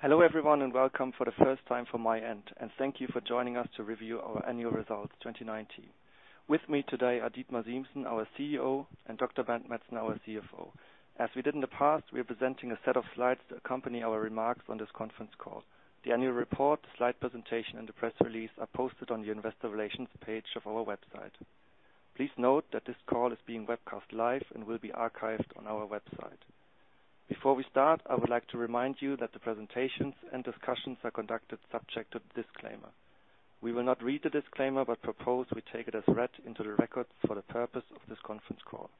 Hello, everyone, and welcome for the first time from my end, and thank you for joining us to review our annual results 2019. With me today are Dietmar Siemssen, our CEO, and Dr. Bernd Metzner, our CFO. As we did in the past, we are presenting a set of slides that accompany our remarks on this conference call. The annual report, slide presentation, and the press release are posted on the investor relations page of our website. Please note that this call is being webcast live and will be archived on our website. Before we start, I would like to remind you that the presentations and discussions are conducted subject to the disclaimer. We will not read the disclaimer but propose we take it as read into the record for the purpose of this conference call.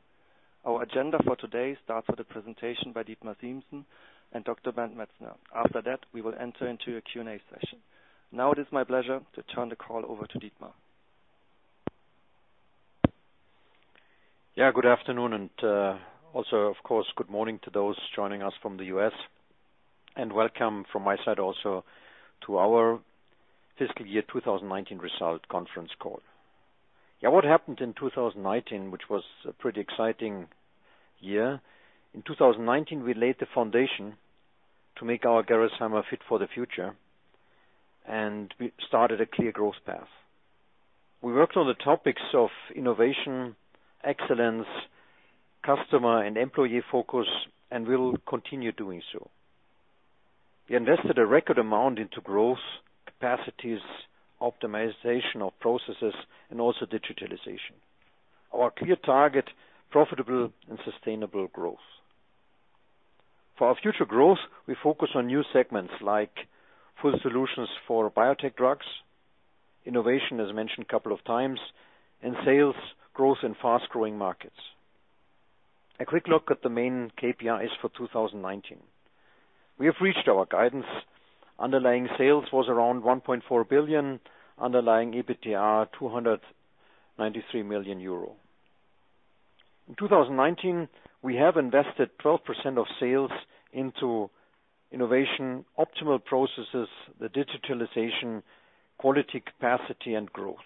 Our agenda for today starts with a presentation by Dietmar Siemssen and Dr. Bernd Metzner. After that, we will enter into a Q&A session. Now it is my pleasure to turn the call over to Dietmar. Good afternoon and also, of course, good morning to those joining us from the U.S., and welcome from my side also to our fiscal year 2019 results conference call. What happened in 2019, which was a pretty exciting year. In 2019, we laid the foundation to make our Gerresheimer fit for the future, and we started a clear growth path. We worked on the topics of innovation, excellence, customer and employee focus, and we will continue doing so. We invested a record amount into growth capacities, optimization of processes, and also digitalization. Our clear target, profitable and sustainable growth. For our future growth, we focus on new segments like full solutions for biotech drugs, innovation as mentioned a couple of times, and sales growth in fast-growing markets. A quick look at the main KPIs for 2019. We have reached our guidance. Underlying sales was around 1.4 billion, underlying EBITDA 293 million euro. In 2019, we have invested 12% of sales into innovation, optimal processes, the digitalization, quality, capacity and growth.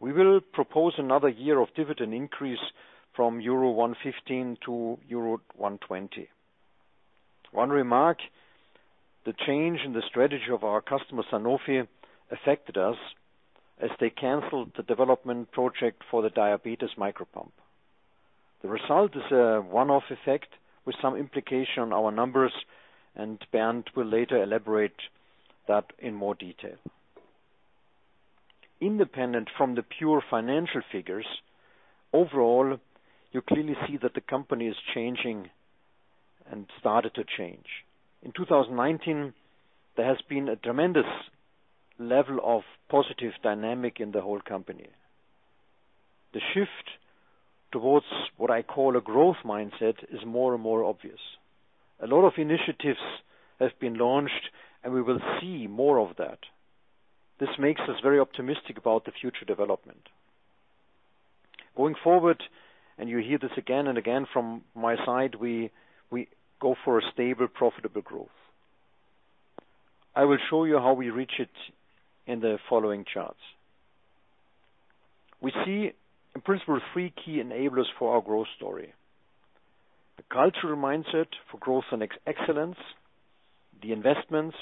We will propose another year of dividend increase from euro 1.15 to euro 1.20. One remark, the change in the strategy of our customer, Sanofi, affected us as they canceled the development project for the diabetes micro pump. The result is a one-off effect with some implication on our numbers. Bernd will later elaborate that in more detail. Independent from the pure financial figures, overall, you clearly see that the company is changing and started to change. In 2019, there has been a tremendous level of positive dynamic in the whole company. The shift towards what I call a growth mindset is more and more obvious. A lot of initiatives have been launched, and we will see more of that. This makes us very optimistic about the future development. Going forward, and you hear this again and again from my side, we go for a stable, profitable growth. I will show you how we reach it in the following charts. We see in principle three key enablers for our growth story. The cultural mindset for growth and excellence, the investments,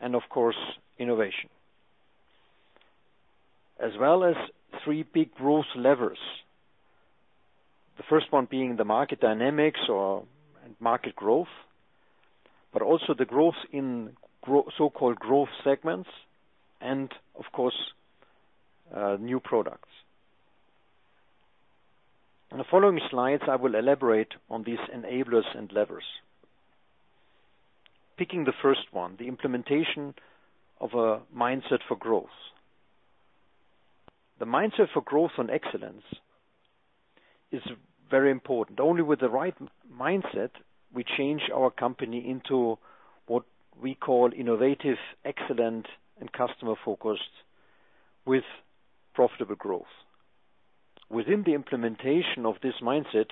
and of course, innovation. As well as three big growth levers. The first one being the market dynamics or market growth, but also the growth in so-called growth segments and of course, new products. In the following slides, I will elaborate on these enablers and levers. Picking the first one, the implementation of a mindset for growth. The mindset for growth and excellence is very important. Only with the right mindset, we change our company into what we call innovative, excellent, and customer-focused with profitable growth. Within the implementation of this mindset,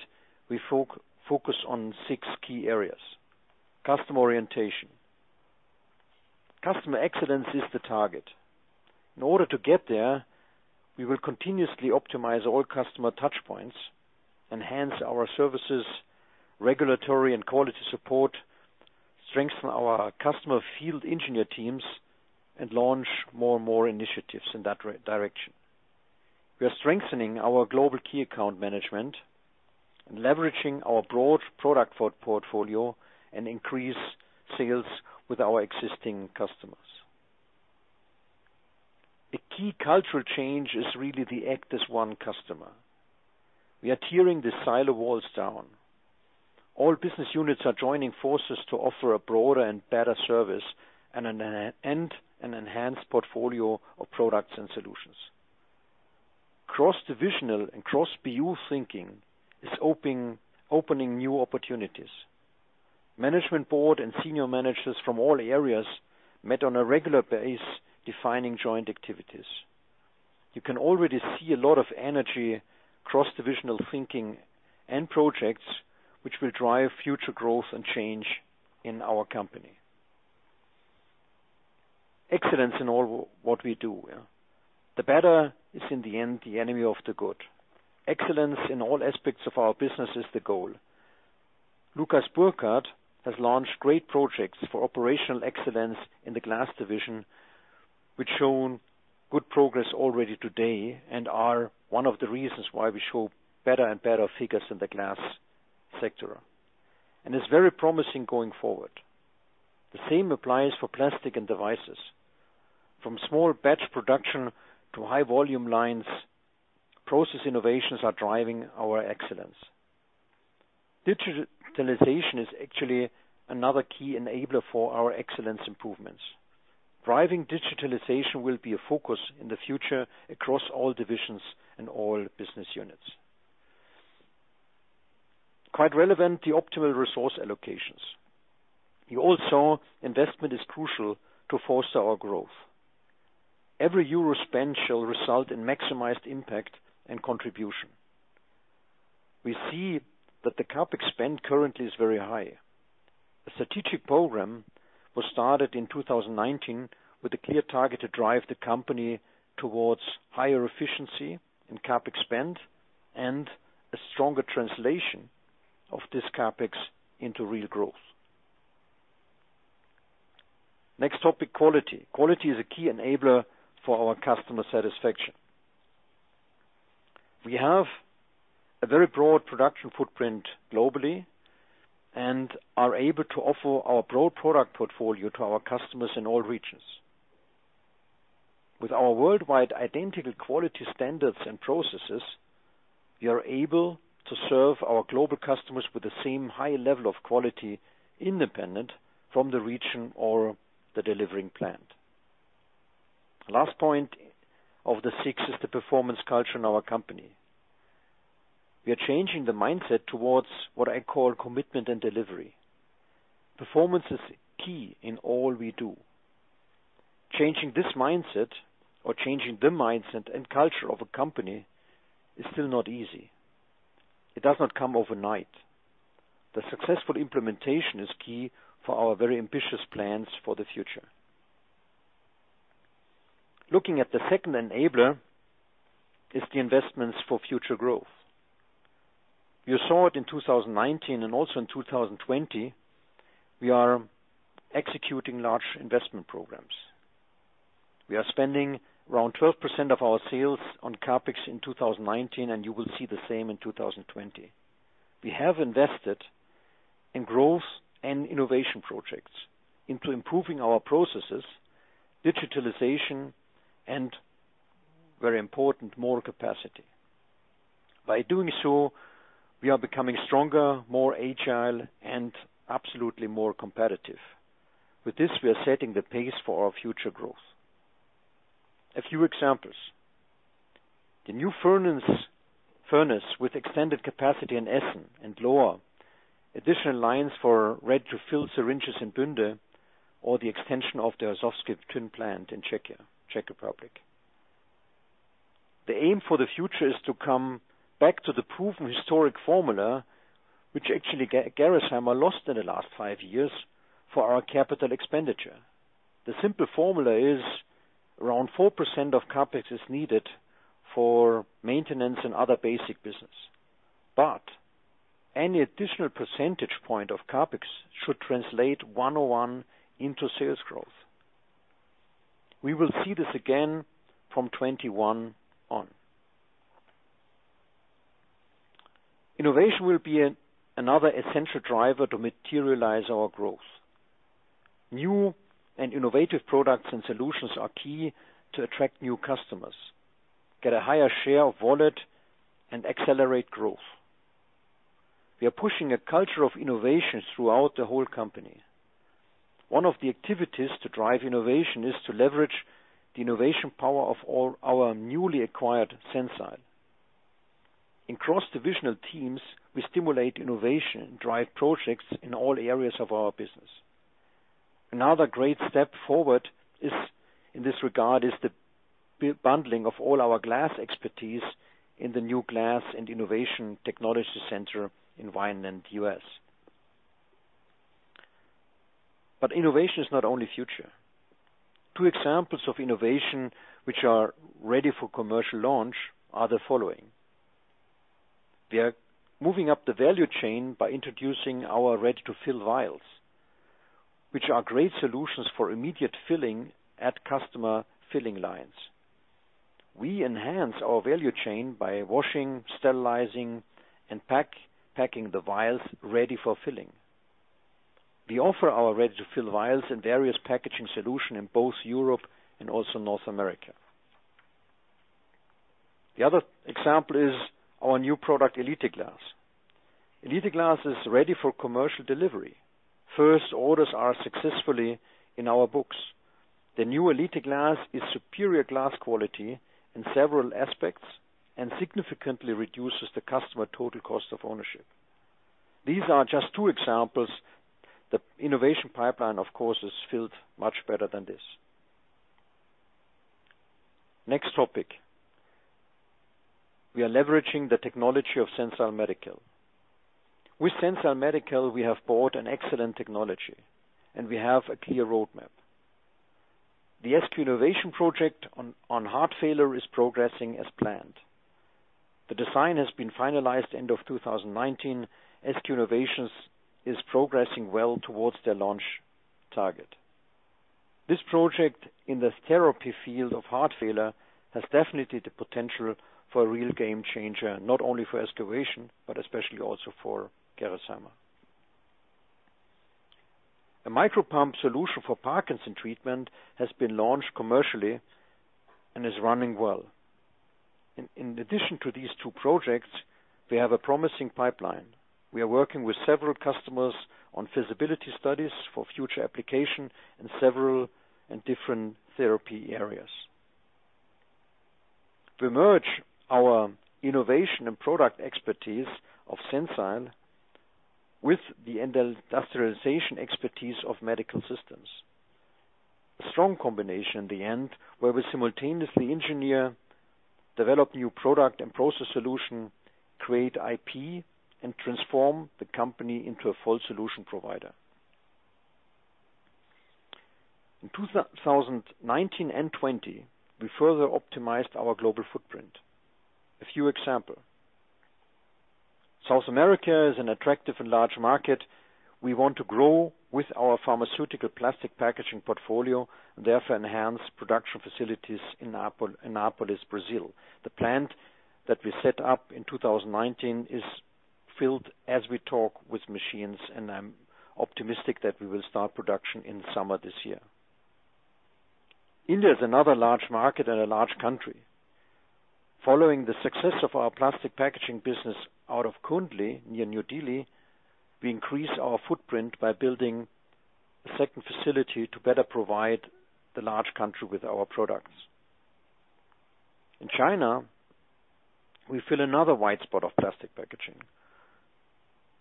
we focus on six key areas. Customer orientation. Customer excellence is the target. In order to get there, we will continuously optimize all customer touchpoints, enhance our services, regulatory and quality support, strengthen our customer field engineer teams, and launch more and more initiatives in that direction. We are strengthening our global key account management and leveraging our broad product portfolio and increase sales with our existing customers. A key cultural change is really the act as one customer. We are tearing the silo walls down. All business units are joining forces to offer a broader and better service and an enhanced portfolio of products and solutions. Cross-divisional and cross BU thinking is opening new opportunities. Management board and senior managers from all areas met on a regular basis defining joint activities. You can already see a lot of energy, cross-divisional thinking, and projects which will drive future growth and change in our company. Excellence in all that we do. The better is in the end, the enemy of the good. Excellence in all aspects of our business is the goal. Lukas Burkhardt has launched great projects for operational excellence in the glass division, which shown good progress already today and are one of the reasons why we show better and better figures in the glass sector. It's very promising going forward. The same applies for Plastics & Devices. From small batch production to high volume lines, process innovations are driving our excellence. Digitalization is actually another key enabler for our excellence improvements. Driving digitalization will be a focus in the future across all divisions and all business units. Quite relevant, the optimal resource allocations. You all saw investment is crucial to foster our growth. Every euro spent shall result in maximized impact and contribution. We see that the CapEx spend currently is very high. A strategic program was started in 2019 with a clear target to drive the company towards higher efficiency in CapEx spend and a stronger translation of this CapEx into real growth. Next topic, quality. Quality is a key enabler for our customer satisfaction. We have a very broad production footprint globally and are able to offer our broad product portfolio to our customers in all regions. With our worldwide identical quality standards and processes, we are able to serve our global customers with the same high level of quality, independent from the region or the delivering plant. Last point of the six is the performance culture in our company. We are changing the mindset towards what I call commitment and delivery. Performance is key in all we do. Changing this mindset or changing the mindset and culture of a company is still not easy. It does not come overnight. The successful implementation is key for our very ambitious plans for the future. Looking at the second enabler is the investments for future growth. You saw it in 2019 and also in 2020, we are executing large investment programs. We are spending around 12% of our sales on CapEx in 2019, and you will see the same in 2020. We have invested in growth and innovation projects into improving our processes, digitalization, and very important, more capacity. By doing so, we are becoming stronger, more agile, and absolutely more competitive. With this, we are setting the pace for our future growth. A few examples. The new furnace with extended capacity in Essen and Lohr, additional lines for ready-to-fill syringes in Bünde, or the extension of the Horšovský Týn plant in Czech Republic. The aim for the future is to come back to the proven historic formula, which actually Gerresheimer lost in the last five years for our capital expenditure. The simple formula is around 4% of CapEx is needed for maintenance and other basic business. Any additional percentage point of CapEx should translate one-on-one into sales growth. We will see this again from 2021 on. Innovation will be another essential driver to materialize our growth. New and innovative products and solutions are key to attract new customers, get a higher share of wallet, and accelerate growth. We are pushing a culture of innovations throughout the whole company. One of the activities to drive innovation is to leverage the innovation power of all our newly acquired Sensile. In cross-divisional teams, we stimulate innovation and drive projects in all areas of our business. Another great step forward in this regard is the bundling of all our glass expertise in the new Glass and Innovation Technology Center in Vineland, U.S. Innovation is not only future. Two examples of innovation which are ready for commercial launch are the following. We are moving up the value chain by introducing our ready-to-fill vials, which are great solutions for immediate filling at customer filling lines. We enhance our value chain by washing, sterilizing, and packing the vials ready for filling. We offer our ready-to-fill vials in various packaging solution in both Europe and also North America. The other example is our new product, Elite glass. Elite glass is ready for commercial delivery. First orders are successfully in our books. The new Elite glass is superior glass quality in several aspects and significantly reduces the customer total cost of ownership. These are just two examples. The innovation pipeline, of course, is filled much better than this. Next topic. We are leveraging the technology of Sensile Medical. With Sensile Medical, we have bought an excellent technology, and we have a clear roadmap. The SQ Innovation project on heart failure is progressing as planned. The design has been finalized end of 2019. SQ Innovation is progressing well towards their launch target. This project in the therapy field of heart failure has definitely the potential for a real game changer, not only for SQ Innovation, but especially also for Gerresheimer. A micropump solution for Parkinson's disease treatment has been launched commercially and is running well. In addition to these two projects, we have a promising pipeline. We are working with several customers on feasibility studies for future application in several and different therapy areas. We merge our innovation and product expertise of Sensile with the industrialization expertise of medical systems. A strong combination in the end, where we simultaneously engineer, develop new product and process solution, create IP, and transform the company into a full solution provider. In 2019 and 2020, we further optimized our global footprint. A few example. South America is an attractive and large market we want to grow with our pharmaceutical plastic package and portfolio. Therefore enhance production facilities in Anápolis, Brazil. The plant that we set up in 2019 is filled as we talk with machines, I'm optimistic that we will start production in summer this year. India is another large market and a large country. Following the success of our plastic packaging business out of Kundli, near New Delhi, we increase our footprint by building a second facility to better provide the large country with our products. In China, we fill another white spot of plastic packaging.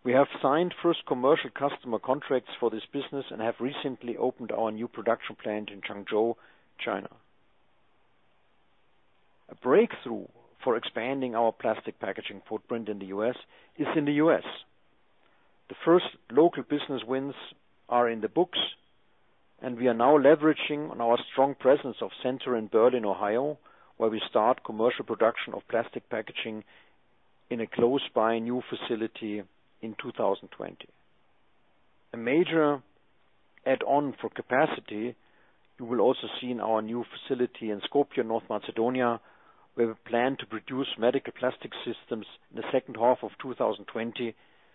We have signed first commercial customer contracts for this business and have recently opened our new production plant in Changzhou, China. A breakthrough for expanding our plastic packaging footprint in the U.S. is in the U.S. The first local business wins are in the books, and we are now leveraging on our strong presence of center in Berlin, Ohio, where we start commercial production of plastic packaging in a close by new facility in 2020. A major add-on for capacity, you will also see in our new facility in Skopje, North Macedonia. We have a plan to produce medical plastic systems in the second half of 2020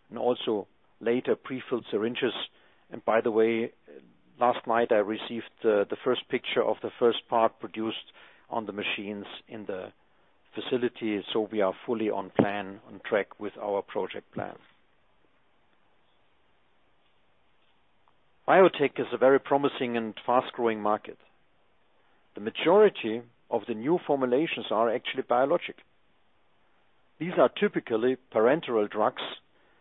and also later prefilled syringes. By the way, last night I received the first picture of the first part produced on the machines in the facility. We are fully on plan, on track with our project plan. Biotech is a very promising and fast-growing market. The majority of the new formulations are actually biologic. These are typically parenteral drugs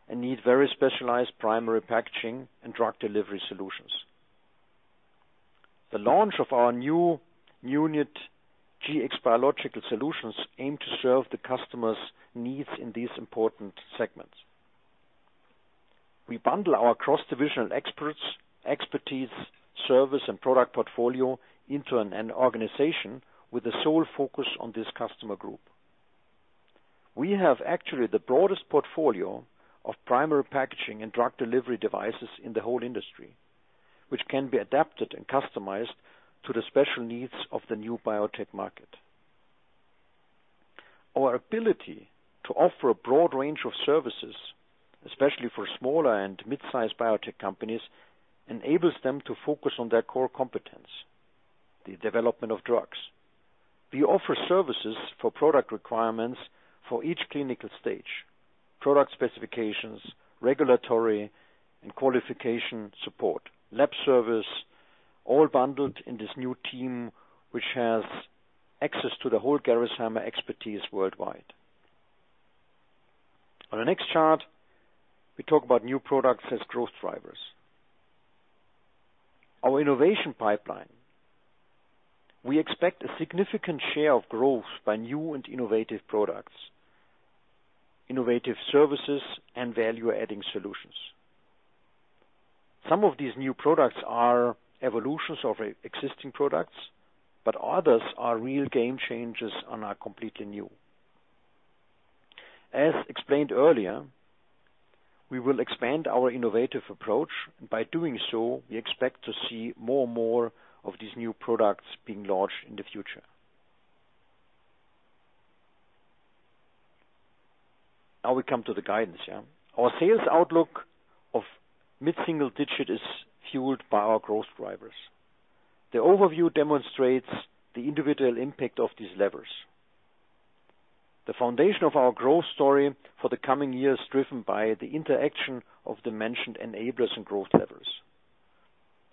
and need very specialized primary packaging and drug delivery solutions. The launch of our new unit, Gx Biological Solutions, aim to serve the customer's needs in these important segments. We bundle our cross-divisional experts, expertise, service, and product portfolio into an organization with a sole focus on this customer group. We have actually the broadest portfolio of primary packaging and drug delivery devices in the whole industry, which can be adapted and customized to the special needs of the new biotech market. Our ability to offer a broad range of services, especially for smaller and mid-sized biotech companies, enables them to focus on their core competence, the development of drugs. We offer services for product requirements for each clinical stage, product specifications, regulatory and qualification support, lab service, all bundled in this new team, which has access to the whole Gerresheimer expertise worldwide. On the next chart, we talk about new products as growth drivers. Our innovation pipeline. We expect a significant share of growth by new and innovative products, innovative services, and value-adding solutions. Some of these new products are evolutions of existing products, but others are real game changers and are completely new. As explained earlier, we will expand our innovative approach by doing so, we expect to see more more of these new products being launched in the future. We come to the guidance. Our sales outlook of mid-single-digit is fueled by our growth drivers. The overview demonstrates the individual impact of these levers. The foundation of our growth story for the coming years is driven by the interaction of the mentioned enablers and growth levers.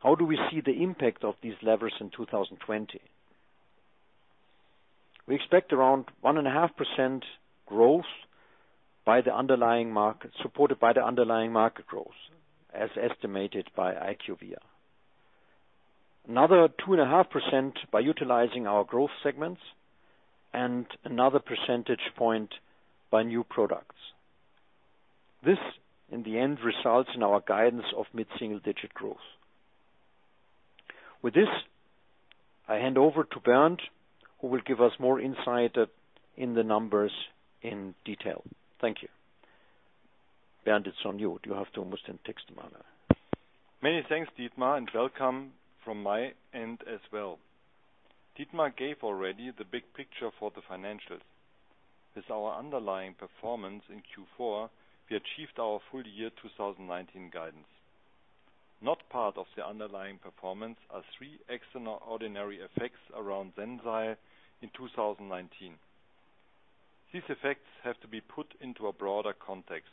How do we see the impact of these levers in 2020? We expect around 1.5% growth by the underlying market, supported by the underlying market growth, as estimated by IQVIA. Another 2.5% by utilizing our growth segments and another percentage point by new products. This, in the end, results in our guidance of mid-single-digit growth. With this, I hand over to Bernd, who will give us more insight in the numbers in detail. Thank you. Bernd, it's on you. You have to almost text manner. Many thanks, Dietmar, and welcome from my end as well. Dietmar gave already the big picture for the financials. With our underlying performance in Q4, we achieved our full year 2019 guidance. Not part of the underlying performance are three extraordinary effects around Sensile in 2019. These effects have to be put into a broader context.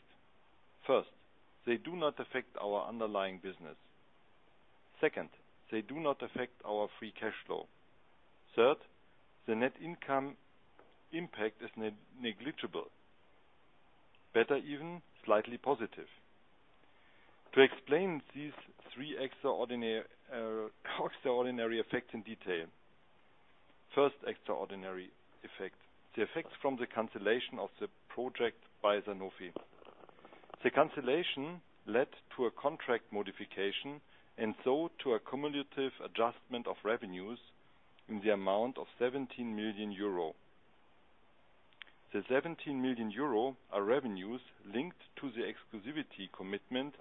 They do not affect our underlying business. They do not affect our free cash flow. The net income impact is negligible. Better even, slightly positive. To explain these three extraordinary effects in detail. Extraordinary effect, the effect from the cancellation of the project by Sanofi. The cancellation led to a contract modification to a cumulative adjustment of revenues in the amount of 17 million euro. The 17 million euro are revenues linked to the exclusivity commitment,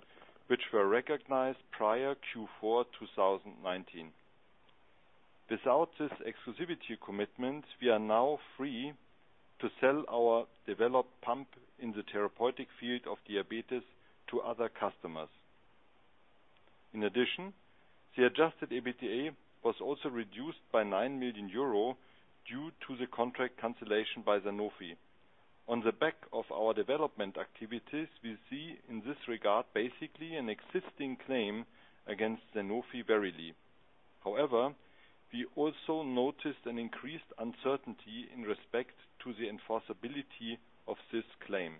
which were recognized prior Q4 2019. Without this exclusivity commitment, we are now free to sell our developed pump in the therapeutic field of diabetes to other customers. In addition, the adjusted EBITDA was also reduced by 9 million euro due to the contract cancellation by Sanofi. On the back of our development activities, we see in this regard basically an existing claim against Sanofi-Verily. However, we also noticed an increased uncertainty in respect to the enforceability of this claim.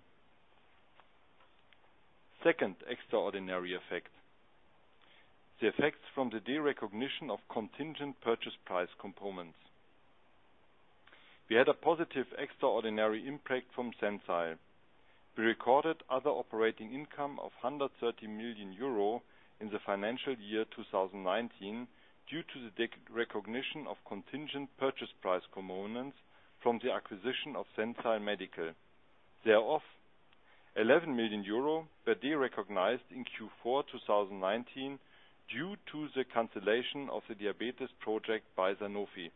Second extraordinary effect, the effects from the derecognition of contingent purchase price components. We had a positive extraordinary impact from Sensile. We recorded other operating income of 130 million euro in the financial year 2019 due to the derecognition of contingent purchase price components from the acquisition of Sensile Medical. Thereof, 11 million euro were derecognized in Q4 2019 due to the cancellation of the diabetes project by Sanofi.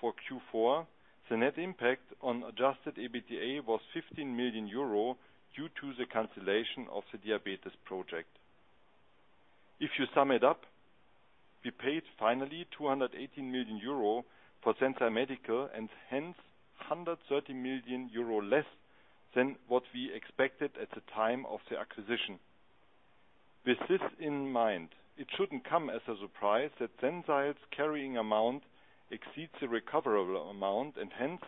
For Q4, the net impact on adjusted EBITDA was 15 million euro due to the cancellation of the diabetes project. If you sum it up, we paid finally 218 million euro for Sensile Medical and hence 130 million euro less than what we expected at the time of the acquisition. With this in mind, it shouldn't come as a surprise that Sensile's carrying amount exceeds the recoverable amount and hence,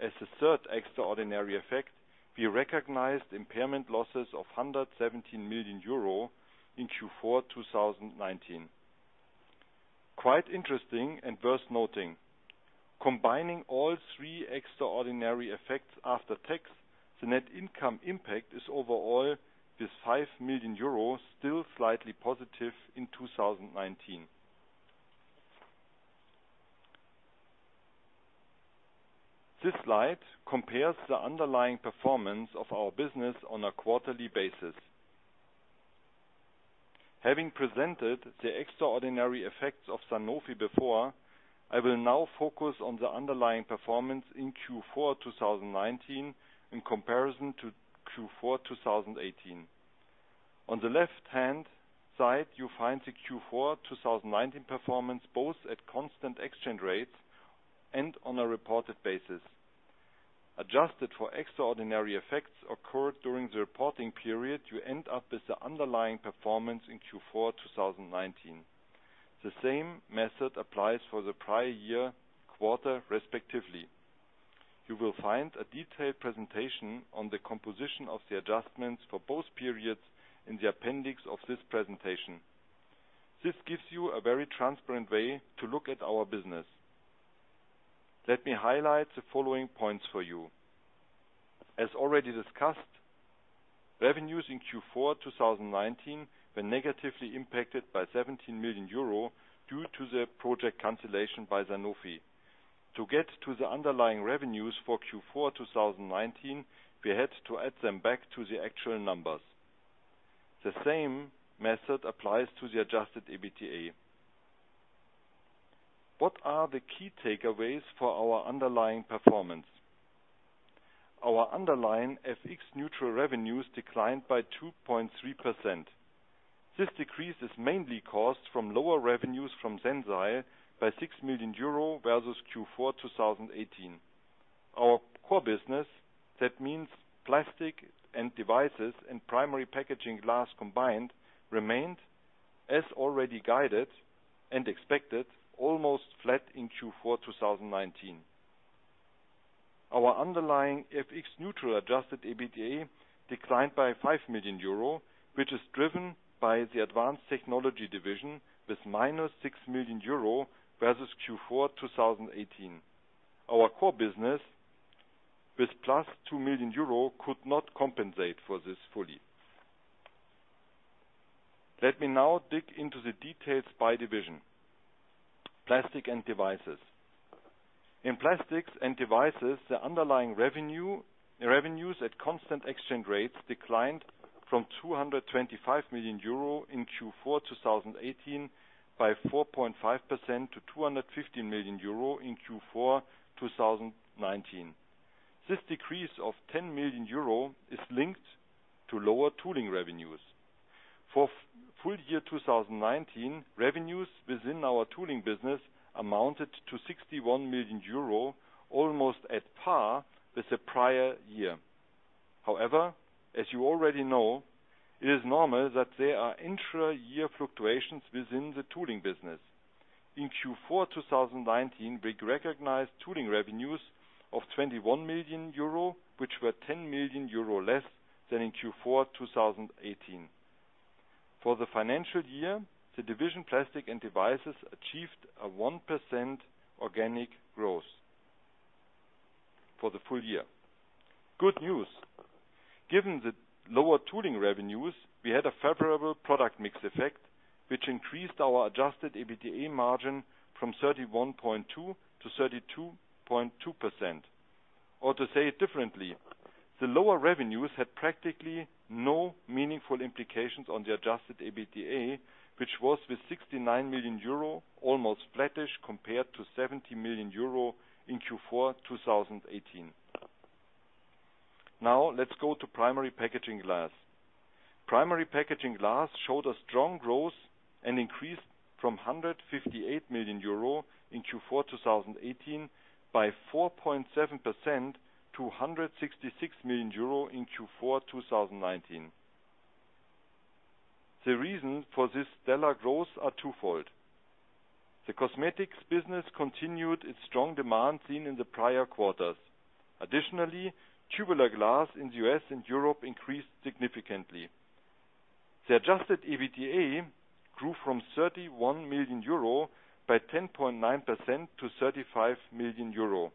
as a third extraordinary effect, we recognized impairment losses of 117 million euro in Q4 2019. Quite interesting and worth noting, combining all three extraordinary effects after tax, the net income impact is overall with 5 million euros still slightly positive in 2019. This slide compares the underlying performance of our business on a quarterly basis. Having presented the extraordinary effects of Sanofi before, I will now focus on the underlying performance in Q4 2019 in comparison to Q4 2018. On the left-hand side, you find the Q4 2019 performance both at constant exchange rates and on a reported basis. Adjusted for extraordinary effects occurred during the reporting period, you end up with the underlying performance in Q4 2019. The same method applies for the prior year quarter, respectively. You will find a detailed presentation on the composition of the adjustments for both periods in the appendix of this presentation. This gives you a very transparent way to look at our business. Let me highlight the following points for you. As already discussed, revenues in Q4 2019 were negatively impacted by 17 million euro due to the project cancellation by Sanofi. To get to the underlying revenues for Q4 2019, we had to add them back to the actual numbers. The same method applies to the adjusted EBITDA. What are the key takeaways for our underlying performance? Our underlying FX-neutral revenues declined by 2.3%. This decrease is mainly caused from lower revenues from Sensile by 6 million euro versus Q4 2018. Our core business, that means Plastics & Devices and Primary Packaging Glass combined, remained, as already guided and expected, almost flat in Q4 2019. Our underlying FX-neutral adjusted EBITDA declined by 5 million euro, which is driven by the Advanced Technology division with minus 6 million euro versus Q4 2018. Our core business with +2 million euro could not compensate for this fully. Let me now dig into the details by division. Plastic & Devices. In Plastics & Devices, the underlying revenues at constant exchange rates declined from 225 million euro in Q4 2018 by 4.5% to 215 million euro in Q4 2019. This decrease of 10 million euro is linked to lower tooling revenues. For full year 2019, revenues within our tooling business amounted to 61 million euro, almost at par with the prior year. As you already know, it is normal that there are intra-year fluctuations within the tooling business. In Q4 2019, we recognized tooling revenues of 21 million euro, which were 10 million euro less than in Q4 2018. For the financial year, the division Plastics & Devices achieved a 1% organic growth for the full year. Good news. Given the lower tooling revenues, we had a favorable product mix effect, which increased our adjusted EBITDA margin from 31.2% to 32.2%. To say it differently, the lower revenues had practically no meaningful implications on the adjusted EBITDA, which was with 69 million euro, almost flattish compared to 70 million euro in Q4 2018. Let's go to Primary Packaging Glass. Primary Packaging Glass showed a strong growth and increased from 158 million euro in Q4 2018 by 4.7% to 166 million euro in Q4 2019. The reason for this stellar growth are twofold. The cosmetics business continued its strong demand seen in the prior quarters. Additionally, tubular glass in the U.S. and Europe increased significantly. The adjusted EBITDA grew from 31 million euro by 10.9% to 35 million euro.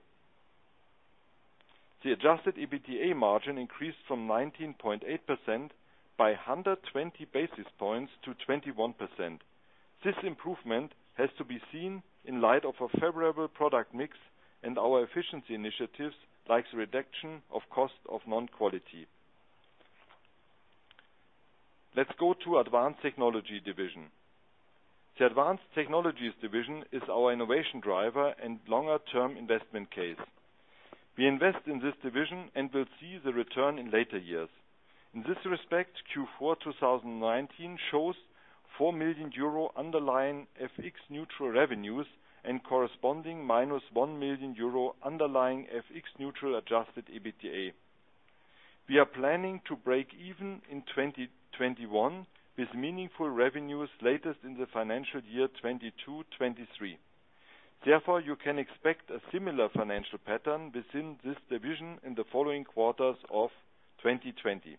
The adjusted EBITDA margin increased from 19.8% by 120 basis points to 21%. This improvement has to be seen in light of a favorable product mix and our efficiency initiatives, like the reduction of cost of non-quality. Let's go to Advanced Technologies division. The Advanced Technologies division is our innovation driver and longer-term investment case. We invest in this division and will see the return in later years. In this respect, Q4 2019 shows 4 million euro underlying FX neutral revenues and corresponding -1 million euro underlying FX neutral adjusted EBITDA. We are planning to break even in 2021 with meaningful revenues latest in the financial year 2022, 2023. You can expect a similar financial pattern within this division in the following quarters of 2020.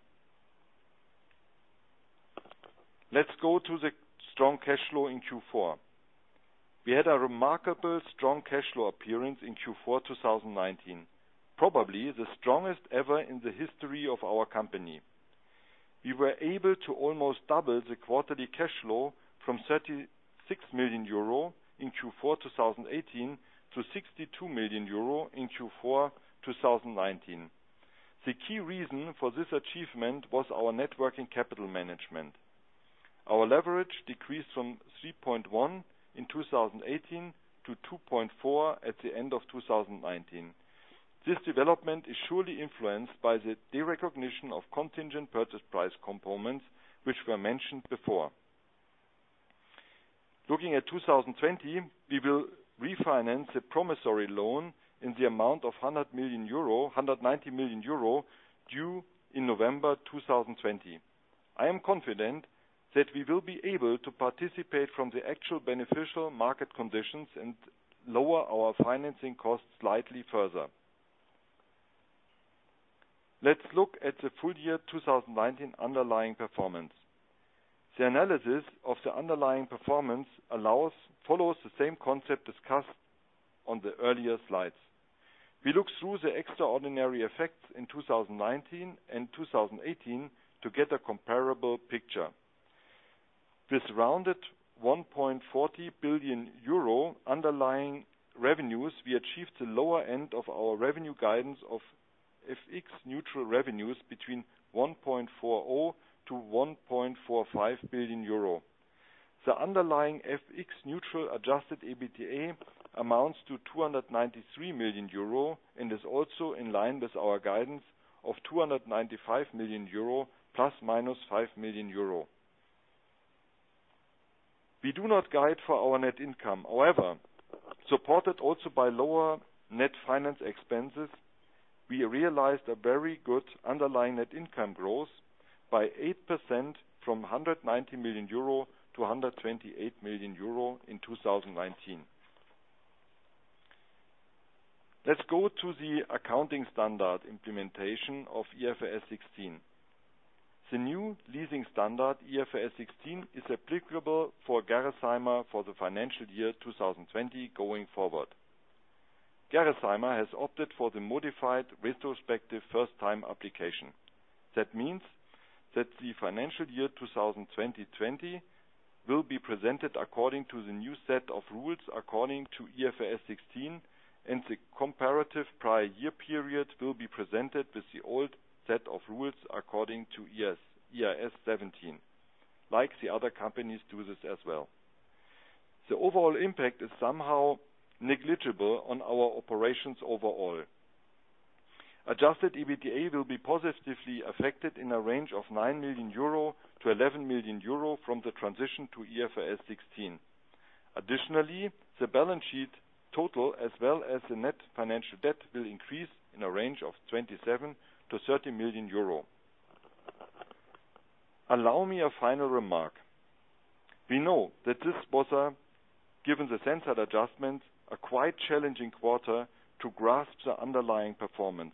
Let's go to the strong cash flow in Q4. We had a remarkable strong cash flow appearance in Q4 2019, probably the strongest ever in the history of our company. We were able to almost double the quarterly cash flow from 36 million euro in Q4 2018 to 62 million euro in Q4 2019. The key reason for this achievement was our net working capital management. Our leverage decreased from 3.1 in 2018 to 2.4 at the end of 2019. This development is surely influenced by the derecognition of contingent purchase price components, which were mentioned before. Looking at 2020, we will refinance the promissory loan in the amount of 190 million euro due in November 2020. I am confident that we will be able to participate from the actual beneficial market conditions and lower our financing costs slightly further. Let's look at the full year 2019 underlying performance. The analysis of the underlying performance follows the same concept discussed on the earlier slides. We look through the extraordinary effects in 2019 and 2018 to get a comparable picture. With rounded 1.40 billion euro underlying revenues, we achieved the lower end of our revenue guidance of FX neutral revenues between 1.40 billion-1.45 billion euro. The underlying FX neutral adjusted EBITDA amounts to 293 million euro and is also in line with our guidance of 295 million euro, ±5 million euro. We do not guide for our net income. Supported also by lower net finance expenses. We realized a very good underlying net income growth by 8% from 119 million euro to 128 million euro in 2019. Let's go to the accounting standard implementation of IFRS 16. The new leasing standard, IFRS 16, is applicable for Gerresheimer for the financial year 2020 going forward. Gerresheimer has opted for the modified retrospective first-time application. That means that the financial year 2020 will be presented according to the new set of rules according to IFRS 16, and the comparative prior year period will be presented with the old set of rules according to IAS 17, like the other companies do this as well. The overall impact is somehow negligible on our operations overall. Adjusted EBITDA will be positively affected in a range of 9 million-11 million euro from the transition to IFRS 16. Additionally, the balance sheet total as well as the net financial debt will increase in a range of 27 million-30 million euro. Allow me a final remark. We know that this was, given the Sensile adjustments, a quite challenging quarter to grasp the underlying performance.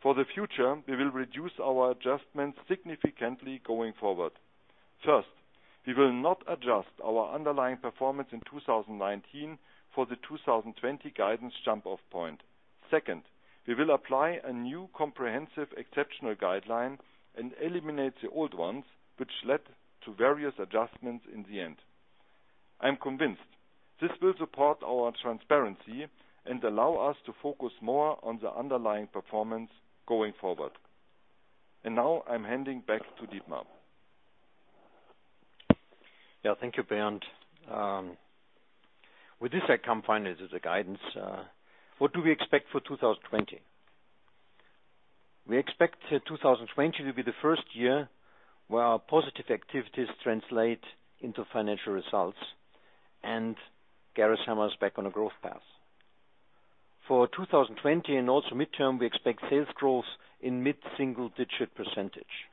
For the future, we will reduce our adjustments significantly going forward. First, we will not adjust our underlying performance in 2019 for the 2020 guidance jump-off point. Second, we will apply a new comprehensive exceptional guideline and eliminate the old ones, which led to various adjustments in the end. I'm convinced this will support our transparency and allow us to focus more on the underlying performance going forward. Now I'm handing back to Dietmar. Yeah. Thank you, Bernd. With this, I come finally to the guidance. What do we expect for 2020? We expect 2020 to be the first year where our positive activities translate into financial results and Gerresheimer is back on a growth path. For 2020 and also midterm, we expect sales growth in mid-single-digit percentage.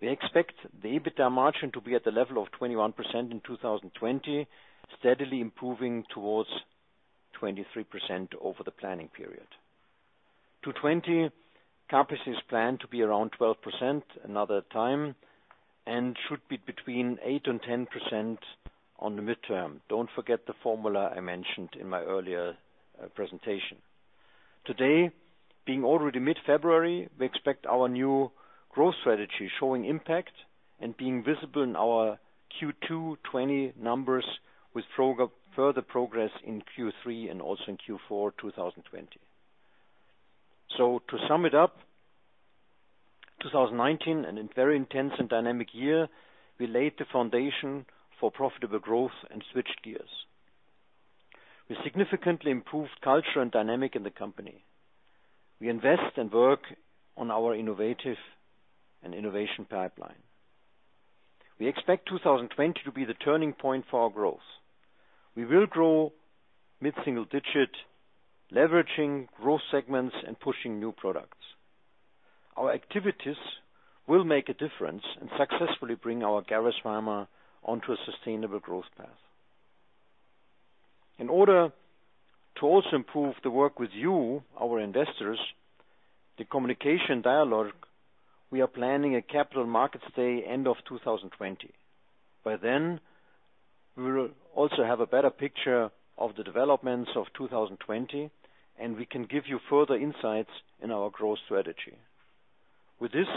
We expect the EBITDA margin to be at the level of 21% in 2020, steadily improving towards 23% over the planning period. 2020, CapEx is planned to be around 12% another time and should be between 8% and 10% on the midterm. Don't forget the formula I mentioned in my earlier presentation. Today, being already mid-February, we expect our new growth strategy showing impact and being visible in our Q2 2020 numbers with further progress in Q3 and also in Q4 2020. To sum it up, 2019, and a very intense and dynamic year, we laid the foundation for profitable growth and switched gears. We significantly improved culture and dynamic in the company. We invest and work on our innovative and innovation pipeline. We expect 2020 to be the turning point for our growth. We will grow mid-single-digit, leveraging growth segments and pushing new products. Our activities will make a difference and successfully bring our Gerresheimer onto a sustainable growth path. In order to also improve the work with you, our investors, the communication dialogue, we are planning a Capital Markets Day end of 2020. By then, we will also have a better picture of the developments of 2020, and we can give you further insights in our growth strategy. With this,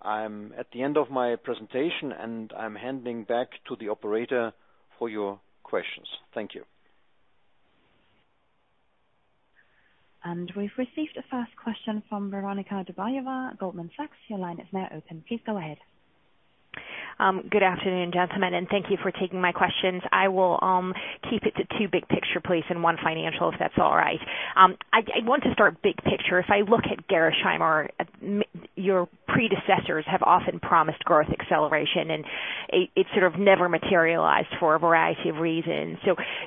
I'm at the end of my presentation, and I'm handing back to the operator for your questions. Thank you. We've received a first question from Veronika Dubajova, Goldman Sachs. Your line is now open. Please go ahead. Good afternoon, gentlemen, and thank you for taking my questions. I will keep it to two big picture, please, and one financial, if that's all right. I want to start big picture. If I look at Gerresheimer, your predecessors have often promised growth acceleration, and it sort of never materialized for a variety of reasons.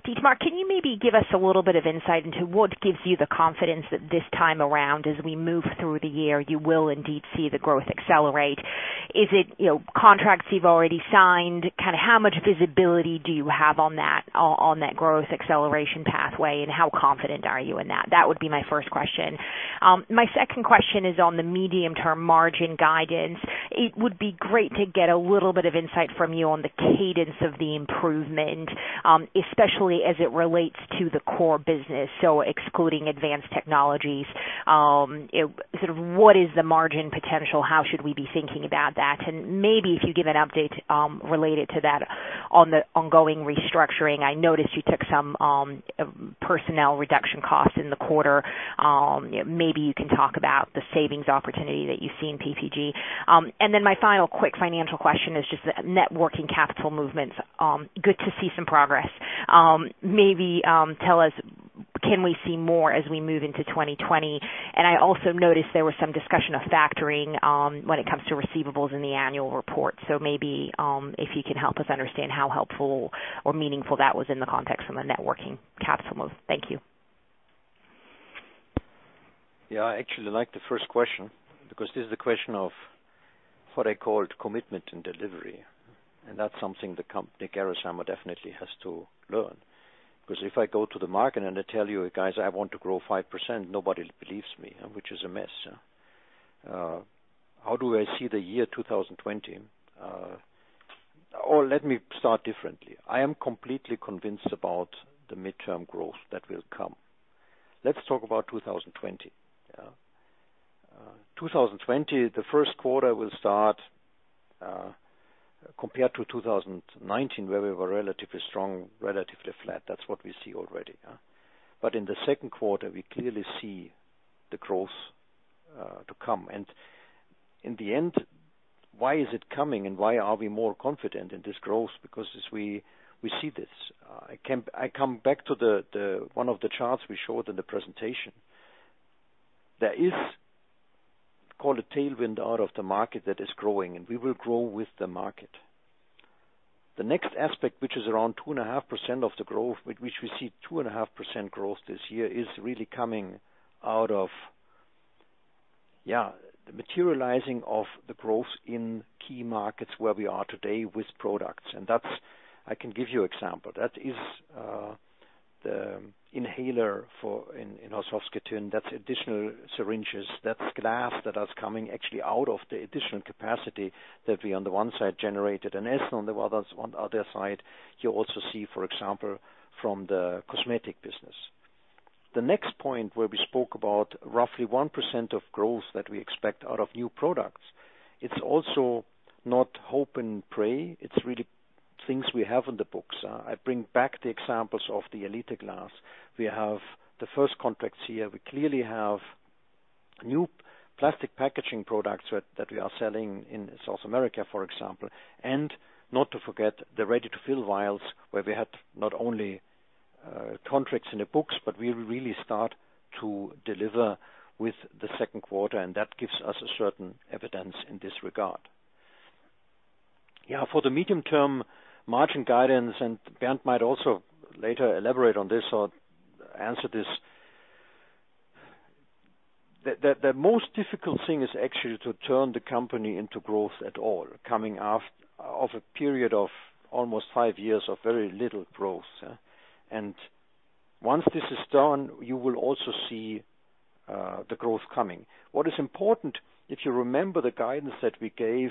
Dietmar, can you maybe give us a little bit of insight into what gives you the confidence that this time around, as we move through the year, you will indeed see the growth accelerate? Is it contracts you've already signed? How much visibility do you have on that growth acceleration pathway, and how confident are you in that? That would be my first question. My second question is on the medium-term margin guidance. It would be great to get a little bit of insight from you on the cadence of the improvement, especially as it relates to the core business, so excluding advanced technologies. What is the margin potential? How should we be thinking about that? Maybe if you give an update related to that on the ongoing restructuring. I noticed you took some personnel reduction costs in the quarter. Maybe you can talk about the savings opportunity that you see in PPG. My final quick financial question is just the net working capital movements. Good to see some progress. Maybe tell us, can we see more as we move into 2020? I also noticed there was some discussion of factoring when it comes to receivables in the annual report. Maybe if you can help us understand how helpful or meaningful that was in the context of a net working capital move. Thank you. Yeah, I actually like the first question, because this is the question of what I called commitment and delivery. That's something the company, Gerresheimer, definitely has to learn. If I go to the market and I tell you, "Guys, I want to grow 5%," nobody believes me, which is a mess. How do I see the year 2020? Let me start differently. I am completely convinced about the midterm growth that will come. Let's talk about 2020. 2020, the first quarter will start, compared to 2019, where we were relatively strong, relatively flat. That's what we see already. In the second quarter, we clearly see the growth to come. In the end, why is it coming and why are we more confident in this growth? As we see this, I come back to one of the charts we showed in the presentation. There is, call it tailwind out of the market that is growing, and we will grow with the market. The next aspect, which is around 2.5% of the growth, which we see 2.5% growth this year, is really coming out of the materializing of the growth in key markets where we are today with products. That's, I can give you example. That is the inhaler in Oslo, Skjetten. That's additional syringes. That's glass that is coming actually out of the additional capacity that we, on the one side, generated in Essen. On the other side, you also see, for example, from the cosmetic business. The next point where we spoke about roughly 1% of growth that we expect out of new products, it's also not hope and pray. It's really things we have in the books. I bring back the examples of the Elite glass. We have the first contracts here. We clearly have new plastic packaging products that we are selling in South America, for example. Not to forget, the ready-to-fill vials where we had not only contracts in the books, but we really start to deliver with the second quarter, and that gives us a certain evidence in this regard. For the medium term margin guidance, Bernd might also later elaborate on this or answer this. The most difficult thing is actually to turn the company into growth at all, coming off a period of almost five years of very little growth. Once this is done, you will also see the growth coming. What is important, if you remember the guidance that we gave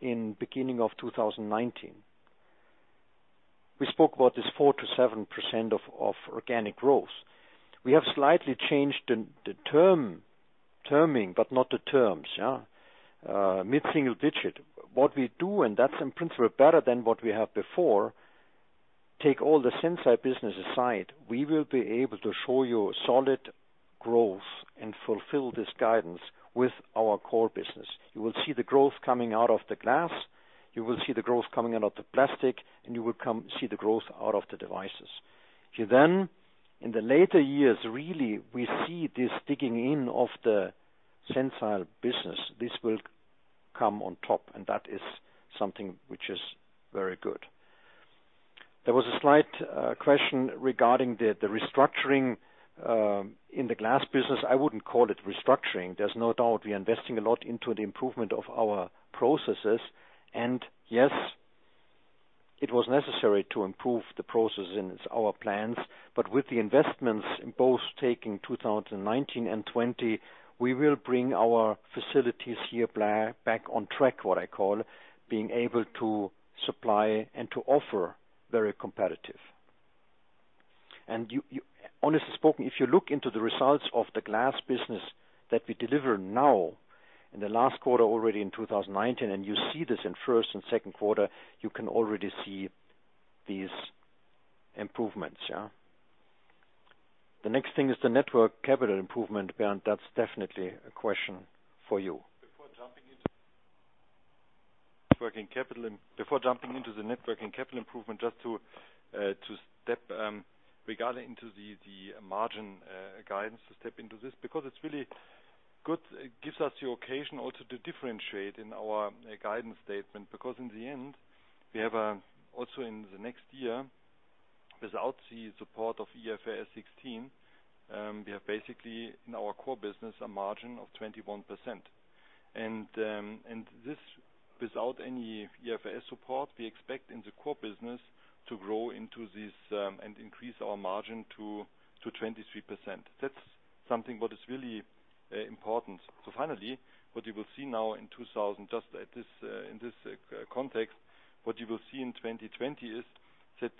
in beginning of 2019. We spoke about this 4%-7% of organic growth. We have slightly changed the terming, but not the terms. Mid-single-digit. What we do, and that's in principle better than what we had before, take all the Sensile business aside, we will be able to show you solid growth and fulfill this guidance with our core business. You will see the growth coming out of the glass, you will see the growth coming out of plastic, and you will see the growth out of the devices. You then, in the later years, really, we see this digging in of the Sensile business. This will come on top, and that is something which is very good. There was a slight question regarding the restructuring in the glass business. I wouldn't call it restructuring. There's no doubt we are investing a lot into the improvement of our processes. Yes, it was necessary to improve the process in our plans. With the investments in both taking 2019 and 2020, we will bring our facilities here back on track, what I call being able to supply and to offer very competitive. Honestly spoken, if you look into the results of the glass business that we deliver now in the last quarter already in 2019, and you see this in first and second quarter, you can already see these improvements. The next thing is the net working capital improvement, Bernd, that's definitely a question for you. Before jumping into the network and capital improvement, just to step regarding into the margin guidance, to step into this, because it is really good. It gives us the occasion also to differentiate in our guidance statement, because in the end, we have also in the next year, without the support of IFRS 16, we have basically in our core business a margin of 21%. This without any IFRS support, we expect in the core business to grow into this and increase our margin to 23%. That is something what is really important. Finally, what you will see in 2020 is that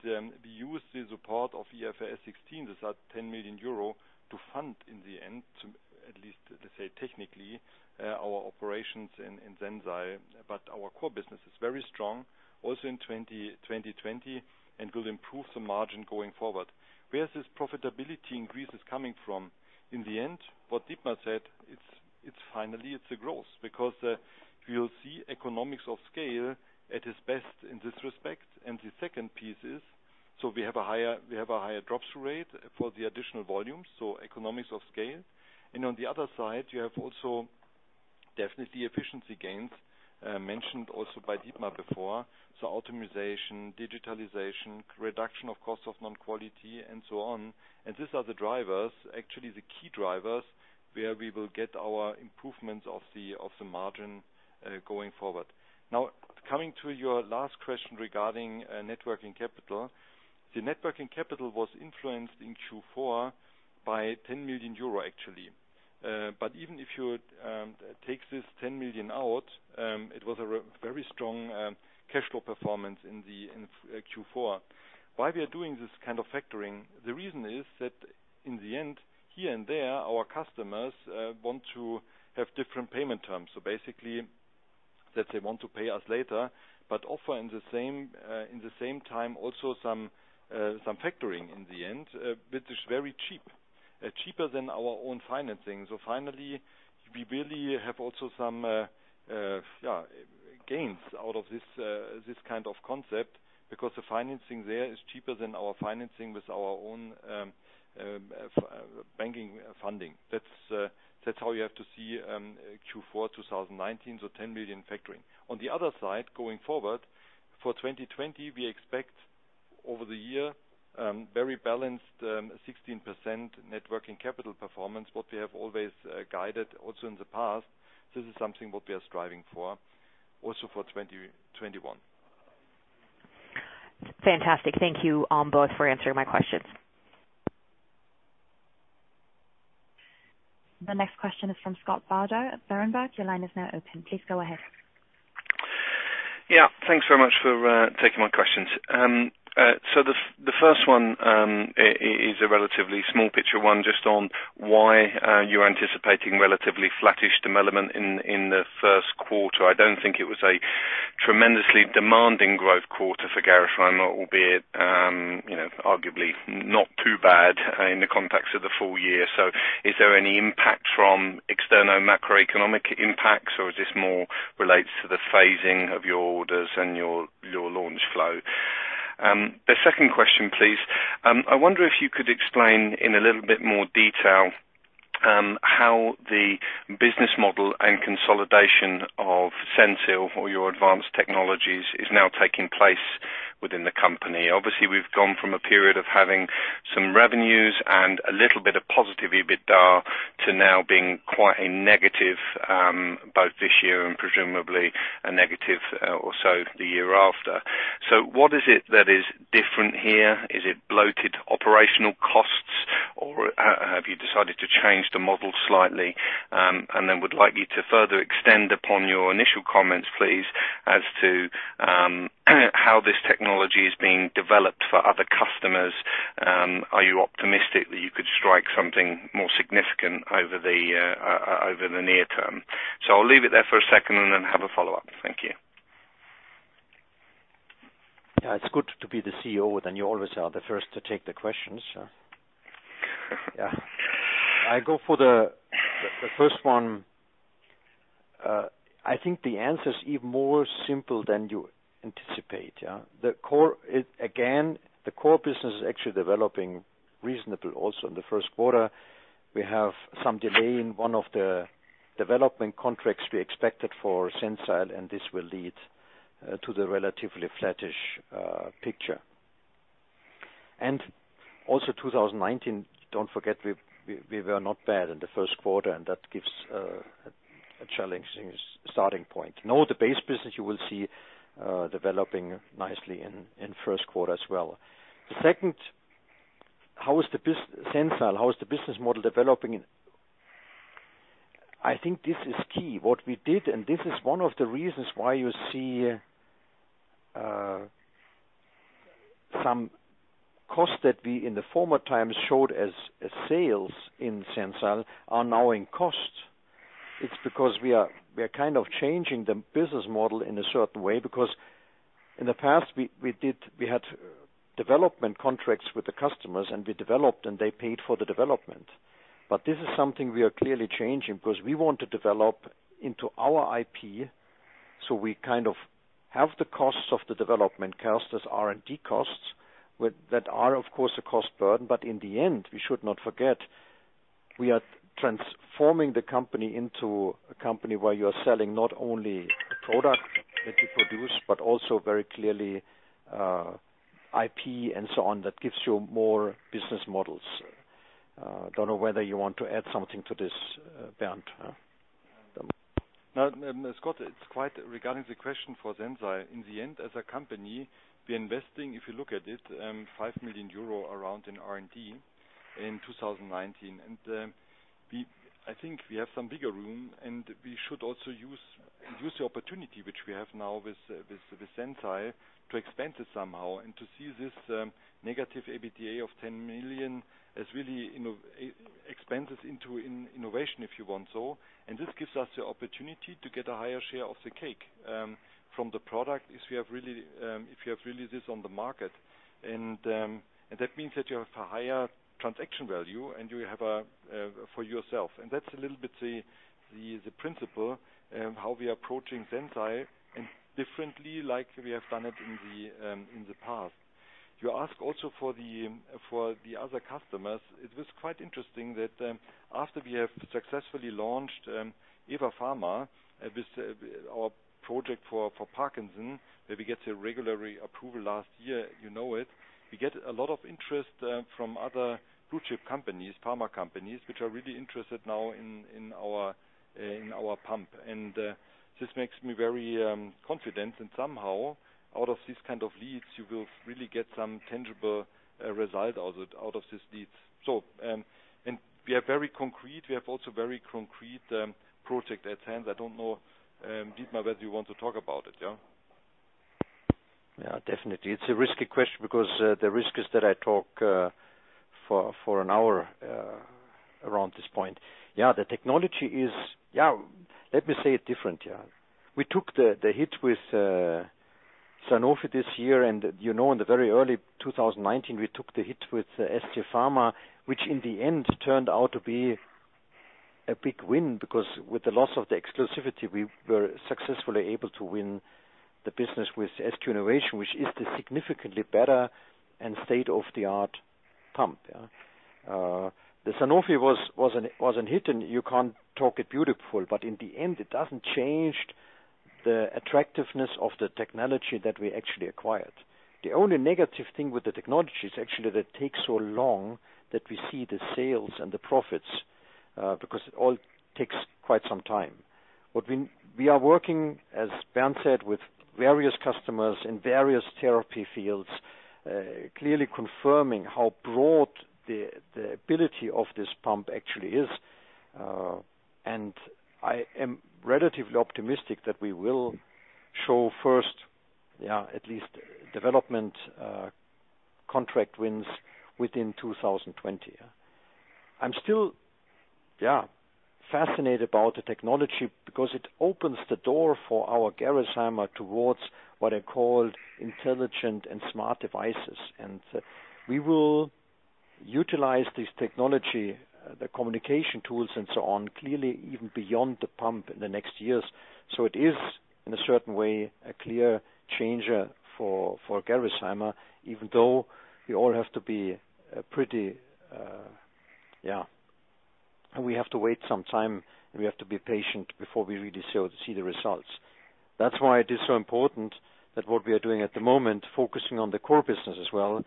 we use the support of IFRS 16, these are 10 million euro, to fund in the end, at least, let us say, technically, our operations in Sensile. Our core business is very strong also in 2020, and will improve some margin going forward. Where is this profitability increase is coming from? In the end, what Dietmar said, it's finally, it's a growth, because you'll see economies of scale at its best in this respect. The second piece is, we have a higher drop rate for the additional volume, economies of scale. On the other side, you have definitely efficiency gains, mentioned also by Dietmar before. Optimization, digitalization, reduction of cost of non-quality and so on. These are the drivers, actually the key drivers, where we will get our improvements of the margin going forward. Coming to your last question regarding net working capital. The net working capital was influenced in Q4 by 10 million euro, actually. Even if you take this 10 million out, it was a very strong cash flow performance in Q4. Why we are doing this kind of factoring, the reason is that in the end, here and there, our customers want to have different payment terms. Basically, that they want to pay us later, but offer in the same time also some factoring in the end, which is very cheap. Cheaper than our own financing. Finally, we really have also some gains out of this kind of concept because the financing there is cheaper than our financing with our own banking funding. That's how you have to see Q4 2019, so 10 million factoring. On the other side, going forward, for 2020, we expect over the year, very balanced 16% net working capital performance, what we have always guided also in the past. This is something what we are striving for, also for 2021. Fantastic. Thank you both for answering my questions. The next question is from Scott Bardo at Berenberg. Your line is now open. Please go ahead. Yeah. Thanks very much for taking my questions. The first one is a relatively small picture one just on why you're anticipating relatively flattish development in the first quarter. I don't think it was a tremendously demanding growth quarter for Gerresheimer, albeit arguably not too bad in the context of the full year. Is there any impact from external macroeconomic impacts or is this more relates to the phasing of your orders and your launch flow? The second question, please. I wonder if you could explain in a little bit more detail, how the business model and consolidation of Sensile or your advanced technologies is now taking place within the company. Obviously, we've gone from a period of having some revenues and a little bit of positive EBITDA to now being quite a negative, both this year and presumably a negative or so the year after. What is it that is different here? Is it bloated operational costs or have you decided to change the model slightly? Would like you to further extend upon your initial comments, please, as to how this technology is being developed for other customers. Are you optimistic that you could strike something more significant over the near term? I'll leave it there for a second and then have a follow-up. Thank you. Yeah, it's good to be the CEO. You always are the first to take the questions. Yeah. I go for the first one. I think the answer is even more simple than you anticipate. Again, the core business is actually developing reasonable also in the first quarter. We have some delay in one of the development contracts we expected for Sensile. This will lead to the relatively flattish picture. Also 2019, don't forget, we were not bad in the first quarter, and that gives a challenging starting point. No, the base business you will see developing nicely in first quarter as well. Second, how is the Sensile business model developing? I think this is key. What we did, and this is one of the reasons why you see some cost that we in the former times showed as sales in Sensile are now in cost. It's because we are kind of changing the business model in a certain way because in the past, we had development contracts with the customers, and we developed, and they paid for the development. This is something we are clearly changing because we want to develop into our IP. We kind of have the costs of the development cast as R&D costs that are, of course, a cost burden, but in the end, we should not forget, we are transforming the company into a company where you are selling not only a product that you produce, but also very clearly IP and so on that gives you more business models. Don't know whether you want to add something to this, Bernd. No, Scott, it's quite regarding the question for Sensile. In the end, as a company, we're investing, if you look at it, 5 million euro around in R&D in 2019. I think we have some bigger room, and we should also use the opportunity which we have now with Sensile to expand it somehow and to see this negative EBITDA of 10 million as really expenses into innovation, if you want so. This gives us the opportunity to get a higher share of the cake from the product if you have really this on the market. That means that you have a higher transaction value and you have for yourself. That's a little bit the principle of how we are approaching Sensile and differently like we have done it in the past. You ask also for the other customers. It was quite interesting that after we have successfully launched EVER Pharma, our project for Parkinson's, that we get a regulatory approval last year, you know it. We get a lot of interest from other blue-chip companies, pharma companies, which are really interested now in our pump. This makes me very confident and somehow out of this kind of leads, you will really get some tangible result out of this leads. We have also very concrete project at hand. I don't know, Dietmar, whether you want to talk about it, yeah? Yeah, definitely. It's a risky question because the risk is that I talk for an hour around this point. Yeah, the technology. Let me say it different. We took the hit with Sanofi this year. In the very early 2019, we took the hit with scPharma, which in the end turned out to be a big win because with the loss of the exclusivity, we were successfully able to win the business with SQ Innovation, which is the significantly better and state-of-the-art pump. The Sanofi was an hit. You can't talk it beautiful. In the end, it doesn't change the attractiveness of the technology that we actually acquired. The only negative thing with the technology is actually that it takes so long that we see the sales and the profits, because it all takes quite some time. We are working, as Bernd said, with various customers in various therapy fields, clearly confirming how broad the ability of this pump actually is. I am relatively optimistic that we will show first, at least development contract wins within 2020. I'm still fascinated about the technology because it opens the door for our Gerresheimer towards what I call intelligent and smart devices. We will utilize this technology, the communication tools and so on, clearly even beyond the pump in the next years. It is in a certain way, a clear changer for Gerresheimer, even though we have to wait some time, and we have to be patient before we really see the results. That's why it is so important that what we are doing at the moment, focusing on the core business as well,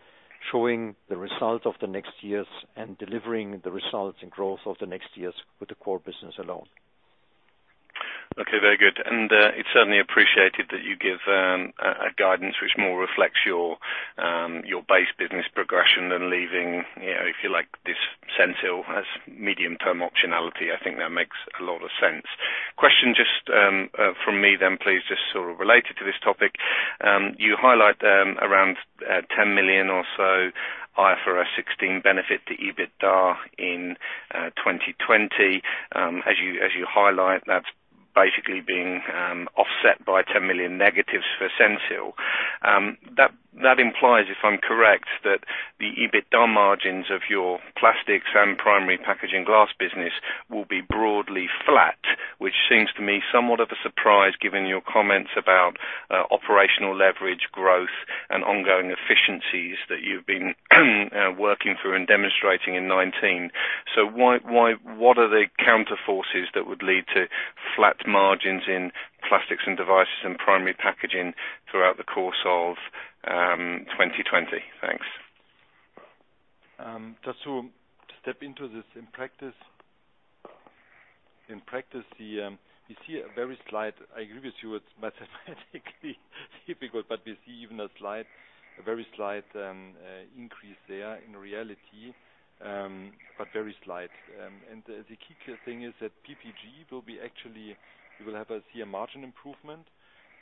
showing the result of the next years and delivering the results and growth of the next years with the core business alone. Okay, very good. It's certainly appreciated that you give a guidance which more reflects your base business progression than leaving, if you like, this Sensile as medium-term optionality. I think that makes a lot of sense. Question just from me then, please, just sort of related to this topic. You highlight around 10 million or so IFRS 16 benefit to EBITDA in 2020. As you highlight, that's basically being offset by 10 million negatives for Sensile. That implies, if I'm correct, that the EBITDA margins of your Plastics and Primary Packaging Glass business will be broadly flat, which seems to me somewhat of a surprise given your comments about operational leverage growth and ongoing efficiencies that you've been working through and demonstrating in 2019. What are the counter forces that would lead to flat margins in Plastics & Devices and primary packaging throughout the course of 2020? Thanks. Just to step into this. In practice, we see a very slight, I agree with you, it's mathematically difficult, but we see even a very slight increase there in reality, but very slight. The key thing is that PPG, we will have a margin improvement.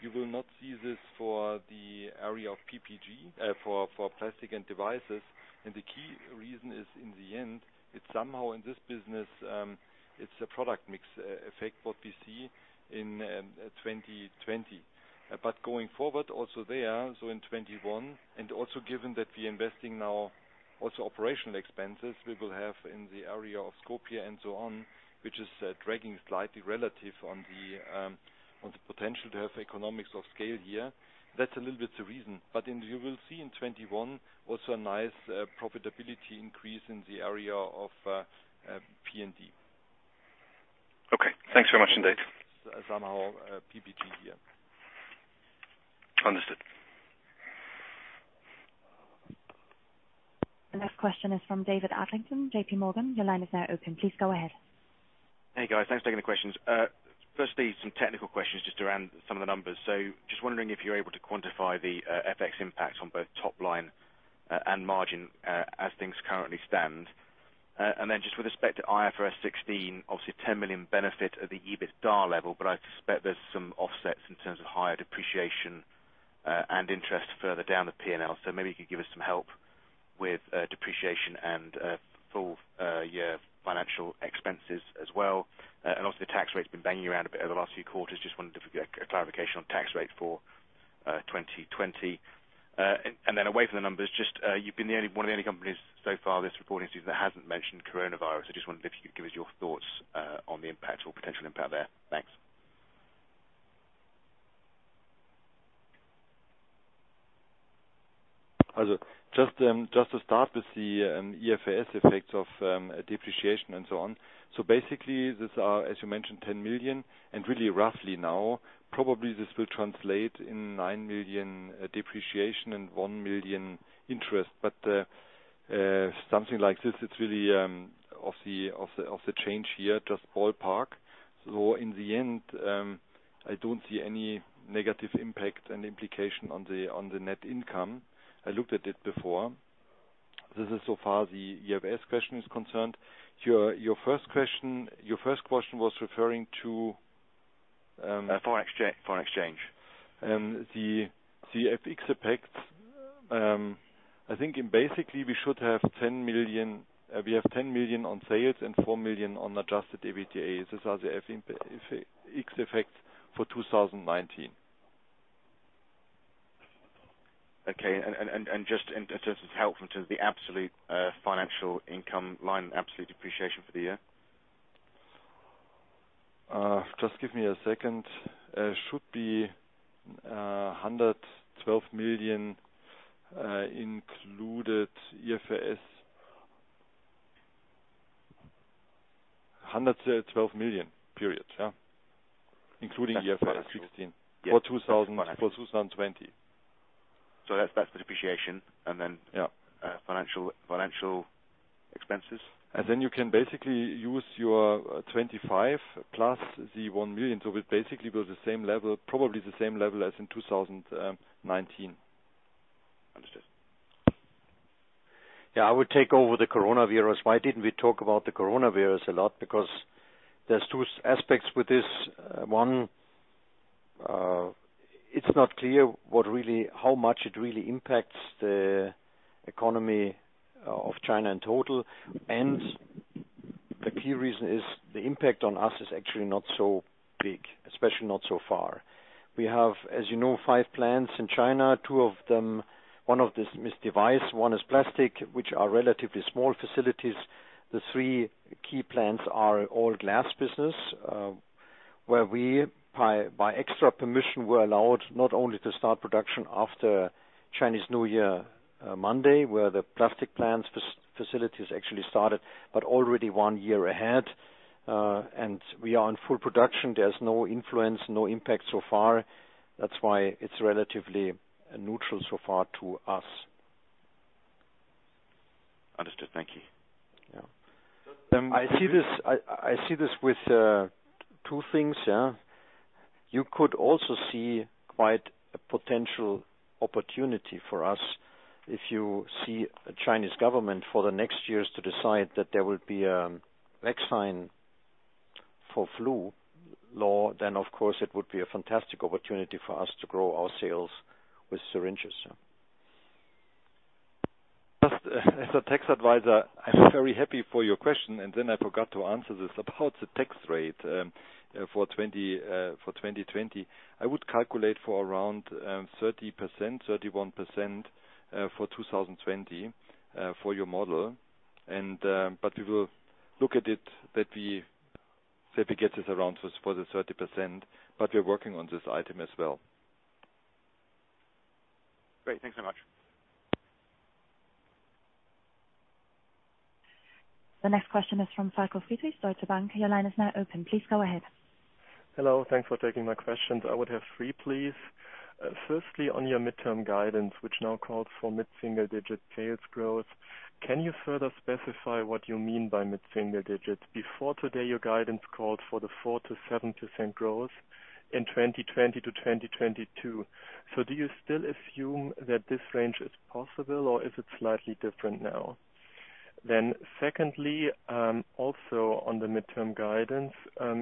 You will not see this for the area of PPG, for Plastic & Devices. The key reason is in the end, it's somehow in this business, it's a product mix effect what we see in 2020. Going forward also there, so in 2021, and also given that we're investing now also OpEx we will have in the area of Skopje and so on, which is dragging slightly relative on the potential to have economies of scale here. That's a little bit the reason. You will see in 2021 also a nice profitability increase in the area of P&D. Okay, thanks very much indeed. Somehow, PPG here. Understood. The next question is from David Adlington, JPMorgan. Your line is now open. Please go ahead. Hey, guys. Thanks for taking the questions. Some technical questions just around some of the numbers. Just wondering if you're able to quantify the FX impact on both top line and margin, as things currently stand. Just with respect to IFRS 16, obviously 10 million benefit at the EBITDA level, but I suspect there's some offsets in terms of higher depreciation and interest further down the P&L. Maybe you could give us some help with depreciation and full year financial expenses as well. Obviously, the tax rate's been banging around a bit over the last few quarters. Just wondering if we could get a clarification on tax rate for 2020. Away from the numbers, just you've been one of the only companies so far this reporting season that hasn't mentioned coronavirus. I just wondered if you could give us your thoughts on the impact or potential impact there. Thanks. Just to start with the IFRS effects of depreciation and so on. Basically, these are, as you mentioned, 10 million and really roughly now, probably this will translate in 9 million depreciation and 1 million interest. Something like this, it's really of the change here, just ballpark. In the end, I don't see any negative impact and implication on the net income. I looked at it before. This is so far the IFRS question is concerned. Your first question was referring to. Foreign exchange. The FX effects, I think basically we have 10 million on sales and 4 million on adjusted EBITDA. These are the FX effects for 2019. Okay. Just to help in terms of the absolute financial income line, absolute depreciation for the year. Just give me a second. Should be 112 million included IFRS. 112 million, period. Yeah. Including IFRS 16 for 2020. That's the depreciation. Yeah. Financial expenses. Then you can basically use your 25 plus the 1 million. It basically built the same level, probably the same level as in 2019. Understood. Yeah, I will take over the coronavirus. Why didn't we talk about the coronavirus a lot? There's two aspects with this. One, it's not clear how much it really impacts the economy of China in total. The key reason is the impact on us is actually not so big, especially not so far. We have, as you know, five plants in China. Two of them, one of this is device, one is plastic, which are relatively small facilities. The three key plants are all glass business, where we, by extra permission, were allowed not only to start production after Chinese New Year Monday, where the plastic plants facilities actually started, but already one year ahead. We are on full production. There's no influence, no impact so far. That's why it's relatively neutral so far to us. Understood. Thank you. Yeah. I see this with two things. You could also see quite a potential opportunity for us if you see a Chinese government for the next years to decide that there will be a vaccine for flu law, then of course, it would be a fantastic opportunity for us to grow our sales with syringes. Just as a tax advisor, I'm very happy for your question. I forgot to answer this. About the tax rate for 2020, I would calculate for around 30%, 31% for 2020 for your model. We will look at it that we say we get it around for the 30%, but we're working on this item as well. Great. Thanks so much. The next question is from Michael Friedrich, Deutsche Bank. Your line is now open. Please go ahead. Hello. Thanks for taking my questions. I would have three, please. Firstly, on your midterm guidance, which now calls for mid-single-digit sales growth, can you further specify what you mean by mid-single digits? Before today, your guidance called for the 4%-7% growth in 2020 to 2022. Do you still assume that this range is possible, or is it slightly different now? Secondly, also on the midterm guidance,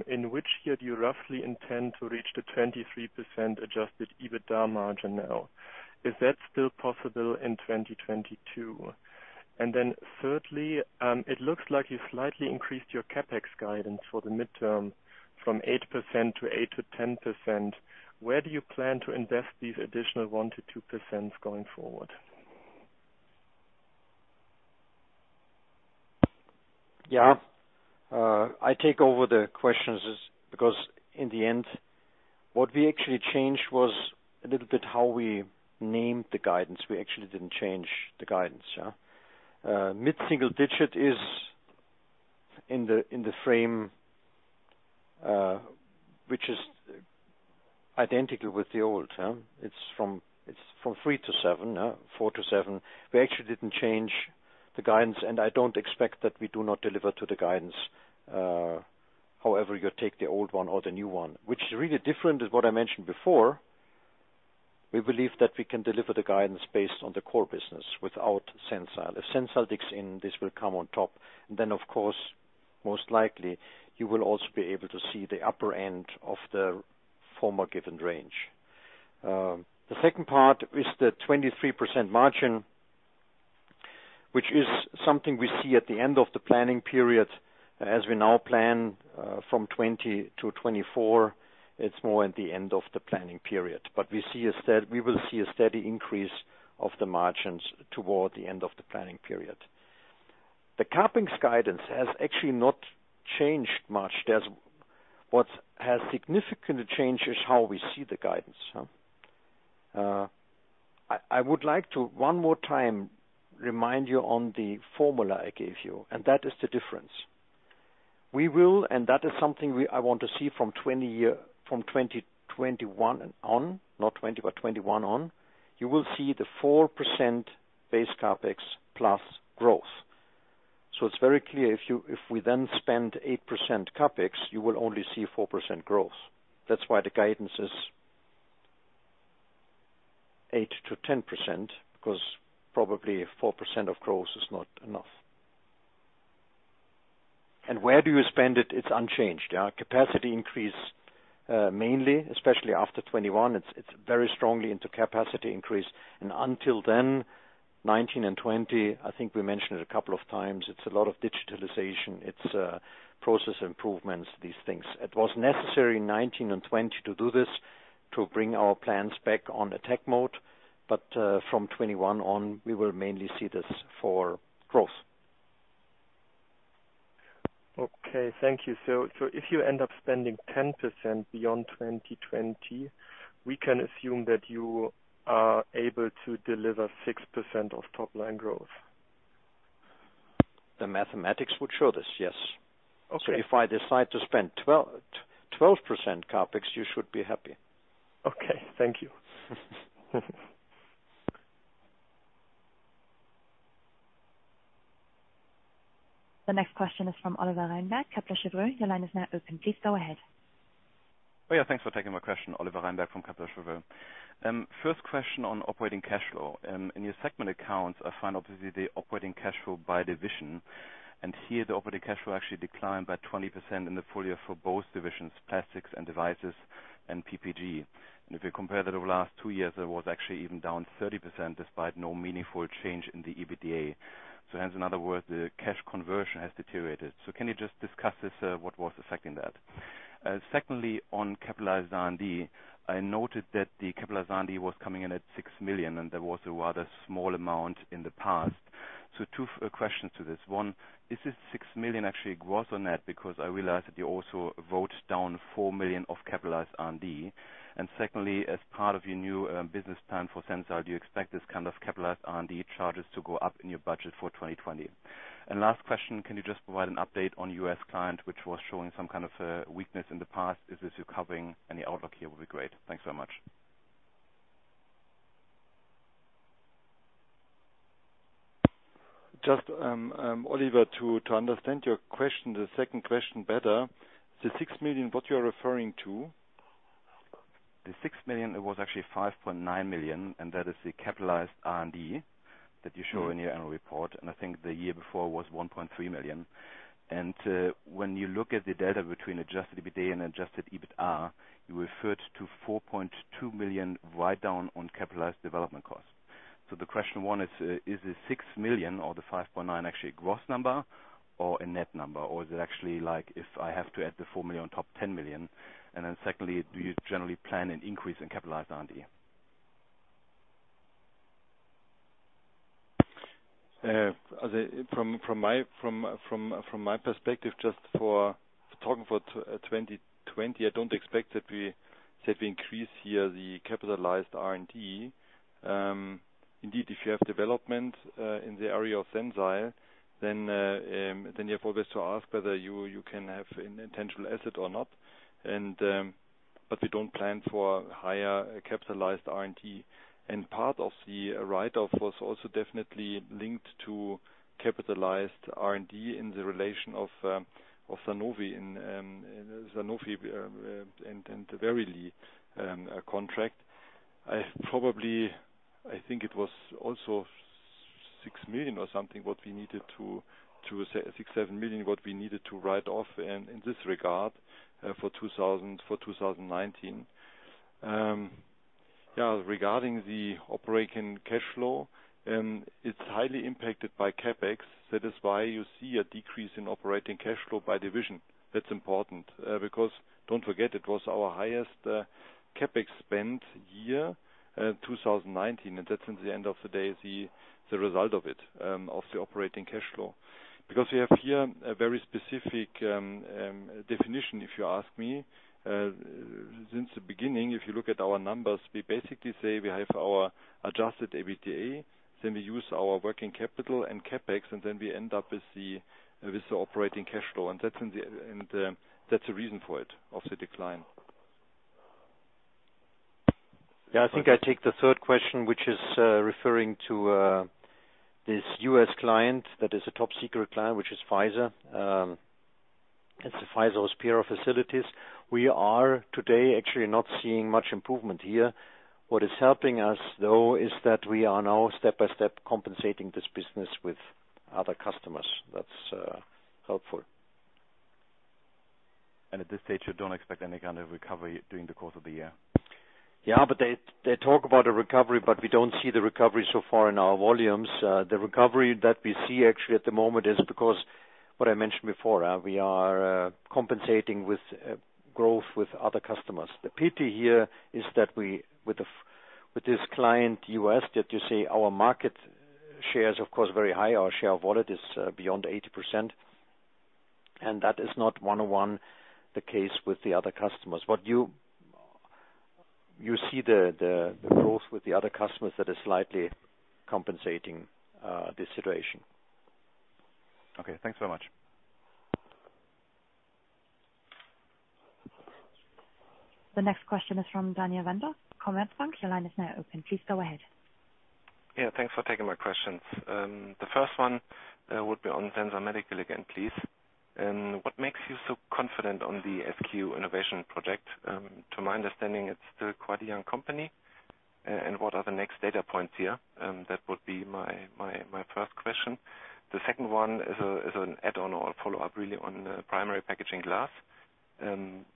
in which year do you roughly intend to reach the 23% adjusted EBITDA margin now? Is that still possible in 2022? Thirdly, it looks like you slightly increased your CapEx guidance for the midterm from 8%-10%. Where do you plan to invest these additional 1%-2% going forward? Yeah. I take over the questions because in the end, what we actually changed was a little bit how we named the guidance. We actually didn't change the guidance. Mid-single-digit is in the frame, which is identical with the old term. It's from 3%-7%, 4%-7%. We actually didn't change the guidance, and I don't expect that we do not deliver to the guidance, however you take the old one or the new one. Which is really different is what I mentioned before. We believe that we can deliver the guidance based on the core business without Sensile. If Sensile digs in, this will come on top. Of course, most likely, you will also be able to see the upper end of the former given range. The second part is the 23% margin, which is something we see at the end of the planning period. As we now plan from 2020 to 2024, it's more at the end of the planning period. We will see a steady increase of the margins toward the end of the planning period. The CapEx guidance has actually not changed much. What has significantly changed is how we see the guidance. I would like to, one more time, remind you on the formula I gave you, and that is the difference. We will, and that is something I want to see from 2021 on, you will see the 4% base CapEx plus growth. It's very clear, if we then spend 8% CapEx, you will only see 4% growth. That's why the guidance is 8%-10%, because probably 4% of growth is not enough. Where do you spend it? It's unchanged. Our capacity increase, mainly, especially after 2021, it's very strongly into capacity increase. Until then, 2019 and 2020, I think we mentioned it a couple of times, it's a lot of digitalization. It's process improvements, these things. It was necessary in 2019 and 2020 to do this, to bring our plants back on attack mode. From 2021 on, we will mainly see this for growth. Okay. Thank you. If you end up spending 10% beyond 2020, we can assume that you are able to deliver 6% of top-line growth? The mathematics would show this, yes. Okay. If I decide to spend 12% CapEx, you should be happy. Okay. Thank you. The next question is from Oliver Reinberg, Kepler Cheuvreux. Your line is now open. Please go ahead. Yeah. Thanks for taking my question. Oliver Reinberg from Kepler Cheuvreux. First question on operating cash flow. In your segment accounts, I find, obviously, the operating cash flow by division, and here, the operating cash flow actually declined by 20% in the full year for both divisions, Plastics & Devices and PPG. If you compare that over the last two years, that was actually even down 30%, despite no meaningful change in the EBITDA. Hence, in other words, the cash conversion has deteriorated. Can you just discuss this, what was affecting that? Secondly, on capitalized R&D, I noted that the capitalized R&D was coming in at 6 million. There was a rather small amount in the past. Two questions to this. One, is this 6 million actually gross or net? I realize that you also wrote down 4 million of capitalized R&D. Secondly, as part of your new business plan for Sensile, do you expect this kind of capitalized R&D charges to go up in your budget for 2020? Last question, can you just provide an update on U.S. client, which was showing some kind of weakness in the past? Is this recovering? Any outlook here would be great. Thanks so much. Just, Oliver, to understand your question, the second question better, the 6 million, what you're referring to? The 6 million, it was actually 5.9 million, and that is the capitalized R&D that you show in your annual report, and I think the year before was 1.3 million. When you look at the data between adjusted EBITDA and adjusted EBITA, you referred to 4.2 million write-down on capitalized development costs. The question one is the 6 million or the 5.9 actually a gross number or a net number, or is it actually like if I have to add the 4 million on top, 10 million? Secondly, do you generally plan an increase in capitalized R&D? From my perspective, just for talking for 2020, I don't expect that we said we increase here the capitalized R&D. Indeed, if you have development in the area of Sensile, you have always to ask whether you can have an intangible asset or not. We don't plan for higher capitalized R&D. Part of the write-off was also definitely linked to capitalized R&D in the relation of Sanofi and the Verily contract. Probably, I think it was also 6 million or something, 6 million-7 million, what we needed to write off in this regard for 2019. Yeah, regarding the operating cash flow, it's highly impacted by CapEx. That is why you see a decrease in operating cash flow by division. That's important. Don't forget, it was our highest CapEx spend year, 2019, and that's in the end of the day, the result of it, of the operating cash flow. We have here a very specific definition, if you ask me. Since the beginning, if you look at our numbers, we basically say we have our adjusted EBITDA, then we use our working capital and CapEx, and then we end up with the operating cash flow. That's the reason for it, of the decline. I think I take the third question, which is referring to this U.S. client that is a top-secret client, which is Pfizer. It's the Pfizer Hospira facilities. We are today actually not seeing much improvement here. What is helping us, though, is that we are now step-by-step compensating this business with other customers. That's helpful. At this stage, you don't expect any kind of recovery during the course of the year? Yeah, they talk about a recovery, we don't see the recovery so far in our volumes. The recovery that we see actually at the moment is because I mentioned before. We are compensating with growth with other customers. The pity here is that with this client, U.S., that you see our market share is, of course, very high. Our share of wallet is beyond 80%, that is not one-on-one the case with the other customers. You see the growth with the other customers that is slightly compensating this situation. Okay, thanks so much. The next question is from Daniel Wendorff, Commerzbank. Your line is now open. Please go ahead. Yeah, thanks for taking my questions. The first one would be on Sensile Medical again, please. What makes you so confident on the SQ Innovation project? To my understanding, it's still quite a young company. What are the next data points here? That would be my first question. The second one is an add-on or a follow-up, really, on Primary Packaging Glass. Q4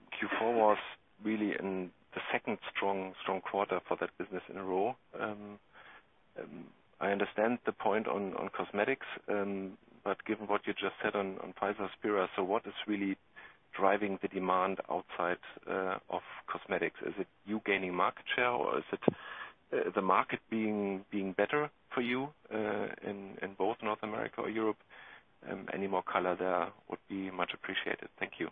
was really the second strong quarter for that business in a row. I understand the point on cosmetics, given what you just said on Pfizer Hospira, what is really driving the demand outside of cosmetics? Is it you gaining market share, or is it the market being better for you in both North America or Europe? Any more color there would be much appreciated. Thank you.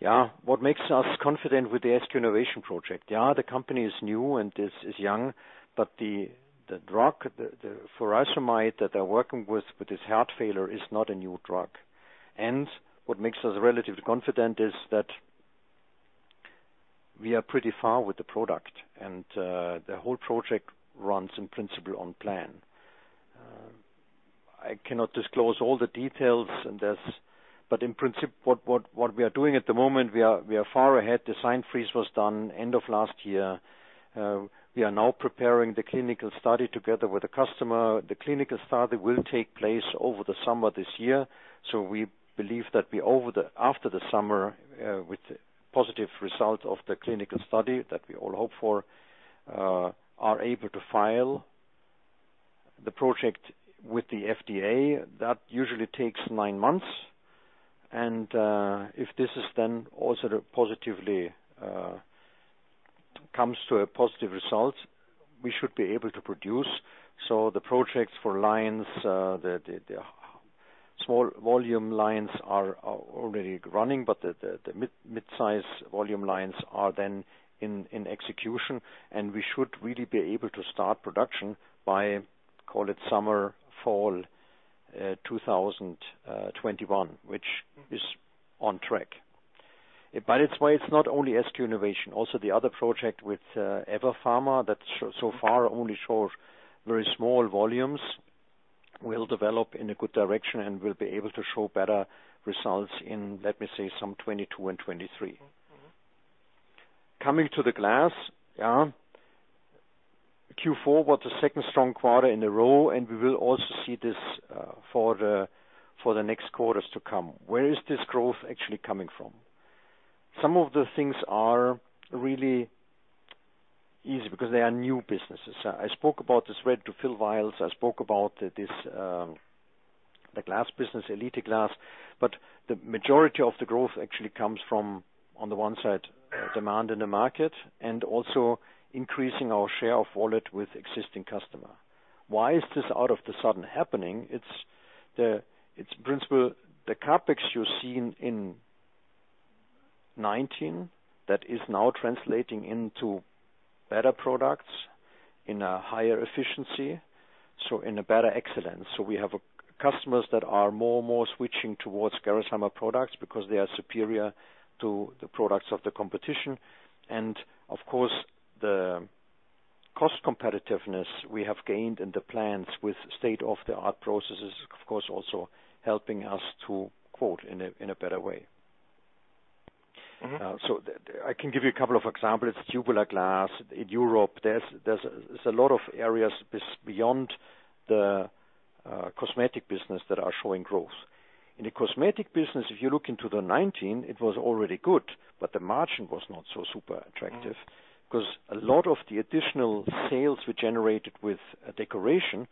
Yeah. What makes us confident with the SQ Innovation project? The company is new and is young, but the drug, the furosemide that they're working with this heart failure is not a new drug. What makes us relatively confident is that we are pretty far with the product, and the whole project runs in principle on plan. I cannot disclose all the details, but in principle, what we are doing at the moment, we are far ahead. Design freeze was done end of last year. We are now preparing the clinical study together with the customer. The clinical study will take place over the summer this year. We believe that after the summer, with positive results of the clinical study that we all hope for, are able to file the project with the FDA. That usually takes nine months. If this then also comes to a positive result, we should be able to produce. The projects for lines, the small volume lines are already running, but the mid-size volume lines are then in execution. We should really be able to start production by, call it summer, fall 2021, which is on track. By the way, it's not only SQ Innovation, also the other project with EVER Pharma that so far only shows very small volumes, will develop in a good direction and will be able to show better results in, let me say, summer 2022 and 2023. Coming to the glass. Q4 was the second strong quarter in a row, we will also see this for the next quarters to come. Where is this growth actually coming from? Some of the things are really easy because they are new businesses. I spoke about the ready-to-fill vials. I spoke about the glass business, Elite glass. The majority of the growth actually comes from, on the one side, demand in the market and also increasing our share of wallet with existing customer. Why is this all of the sudden happening? It's principle, the CapEx you see in 2019, that is now translating into better products in a higher efficiency, so in a better excellence. We have customers that are more switching towards Gerresheimer products because they are superior to the products of the competition. Of course, the cost competitiveness we have gained in the plants with state-of-the-art processes, of course, also helping us to quote in a better way. I can give you a couple of examples. Tubular glass in Europe, there's a lot of areas beyond the cosmetic business that are showing growth. In the cosmetic business, if you look into 2019, it was already good, but the margin was not so super attractive because a lot of the additional sales were generated with a decoration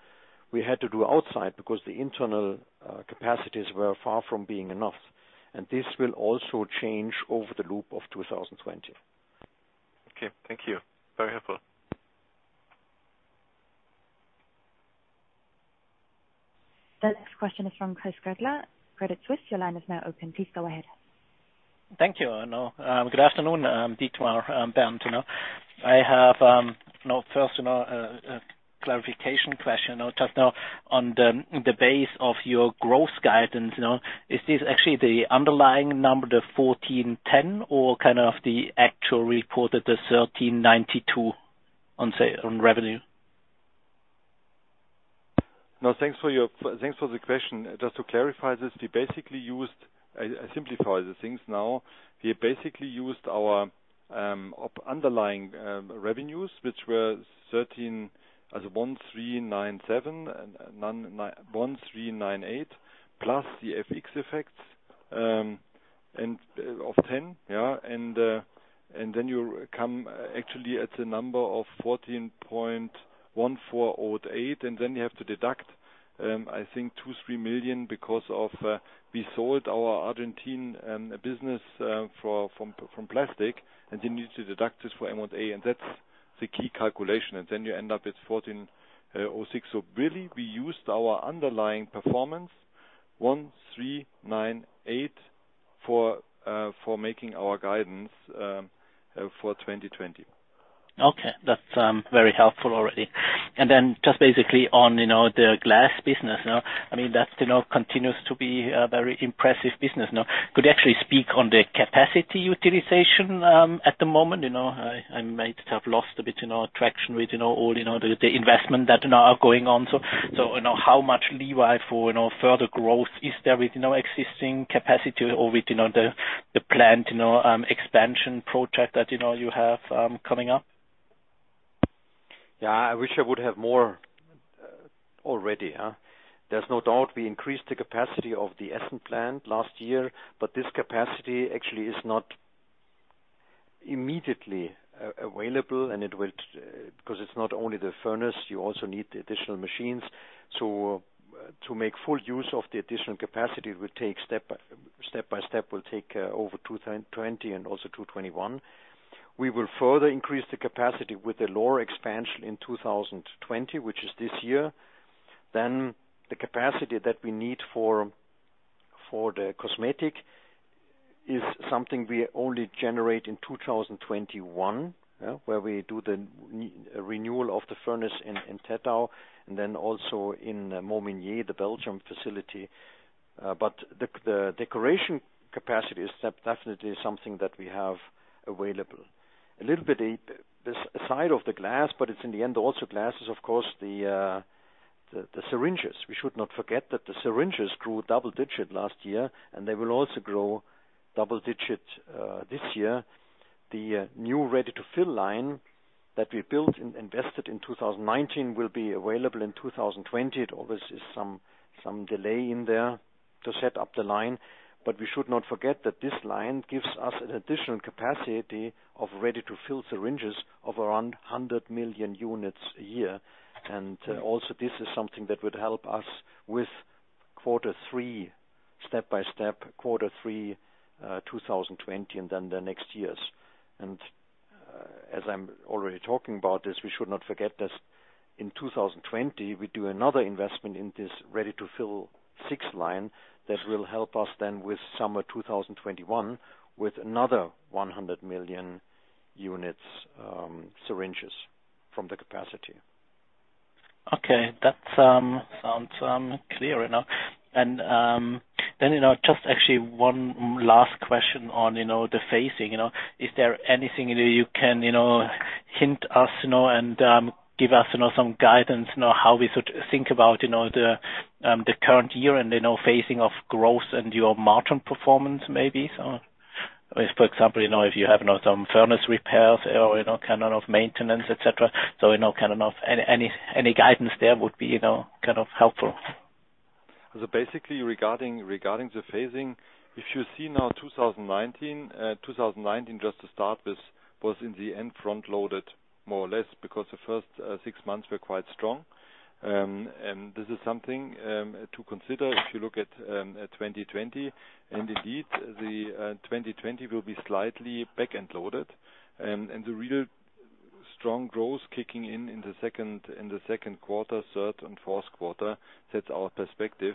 we had to do outside because the internal capacities were far from being enough. This will also change over the loop of 2020. Okay. Thank you. Very helpful. The next question is from Chris Gretler, Credit Suisse. Your line is now open. Please go ahead. Thank you. Good afternoon, Dietmar, Bernd. I have first a clarification question. Just now on the base of your growth guidance. Is this actually the underlying number, the 1,410, or kind of the actual reported, the 1,392 on revenue? Thanks for the question. Just to clarify this, I simplify the things now. We basically used our underlying revenues, which were 1,398, plus the FX effects of 10. You come actually at the number of 1,408. You have to deduct, I think, 2 million-3 million because of we sold our Argentine business from plastic. You need to deduct this for M&A. That's the key calculation. You end up with 1,406. We used our underlying performance, 1,398, for making our guidance for 2020. Okay. That's very helpful already. Just basically on the glass business now, that continues to be a very impressive business now. Could actually speak on the capacity utilization at the moment. I might have lost a bit traction with all the investment that now are going on. How much leeway for further growth is there with existing capacity or with the planned expansion project that you have coming up? I wish I would have more already. There is no doubt we increased the capacity of the Essen plant last year, this capacity actually is not immediately available, because it is not only the furnace, you also need the additional machines. To make full use of the additional capacity, step by step will take over 2020 and also 2021. We will further increase the capacity with the Lohr expansion in 2020, which is this year. The capacity that we need for the cosmetic is something we only generate in 2021, where we do the renewal of the furnace in Tettau and also in Momignies, the Belgium facility. The decoration capacity is definitely something that we have available. A little bit aside of the glass, it's in the end also glass, is of course the syringes. We should not forget that the syringes grew double-digit last year. They will also grow double-digit this year. The new ready-to-fill line that we built and invested in 2019 will be available in 2020. Obviously, some delay in there to set up the line. We should not forget that this line gives us an additional capacity of ready-to-fill syringes of around 100 million units a year. Also this is something that would help us with quarter three, step-by-step quarter three 2020 and then the next years. As I'm already talking about this, we should not forget that in 2020, we do another investment in this ready-to-fill six line that will help us then with summer 2021 with another 100 million units syringes from the capacity. Okay. That sounds clear enough. Just actually one last question on the phasing. Is there anything that you can hint us and give us some guidance on how we should think about the current year and phasing of growth and your margin performance, maybe? If, for example, if you have some furnace repairs or kind of maintenance, etc. Any kind of guidance there would be helpful. Basically regarding the phasing, if you see now 2019, just to start with, was in the end front-loaded more or less because the first six months were quite strong. This is something to consider if you look at 2020. Indeed, the 2020 will be slightly back-end loaded and the real strong growth kicking in the second quarter, third and fourth quarter. That's our perspective.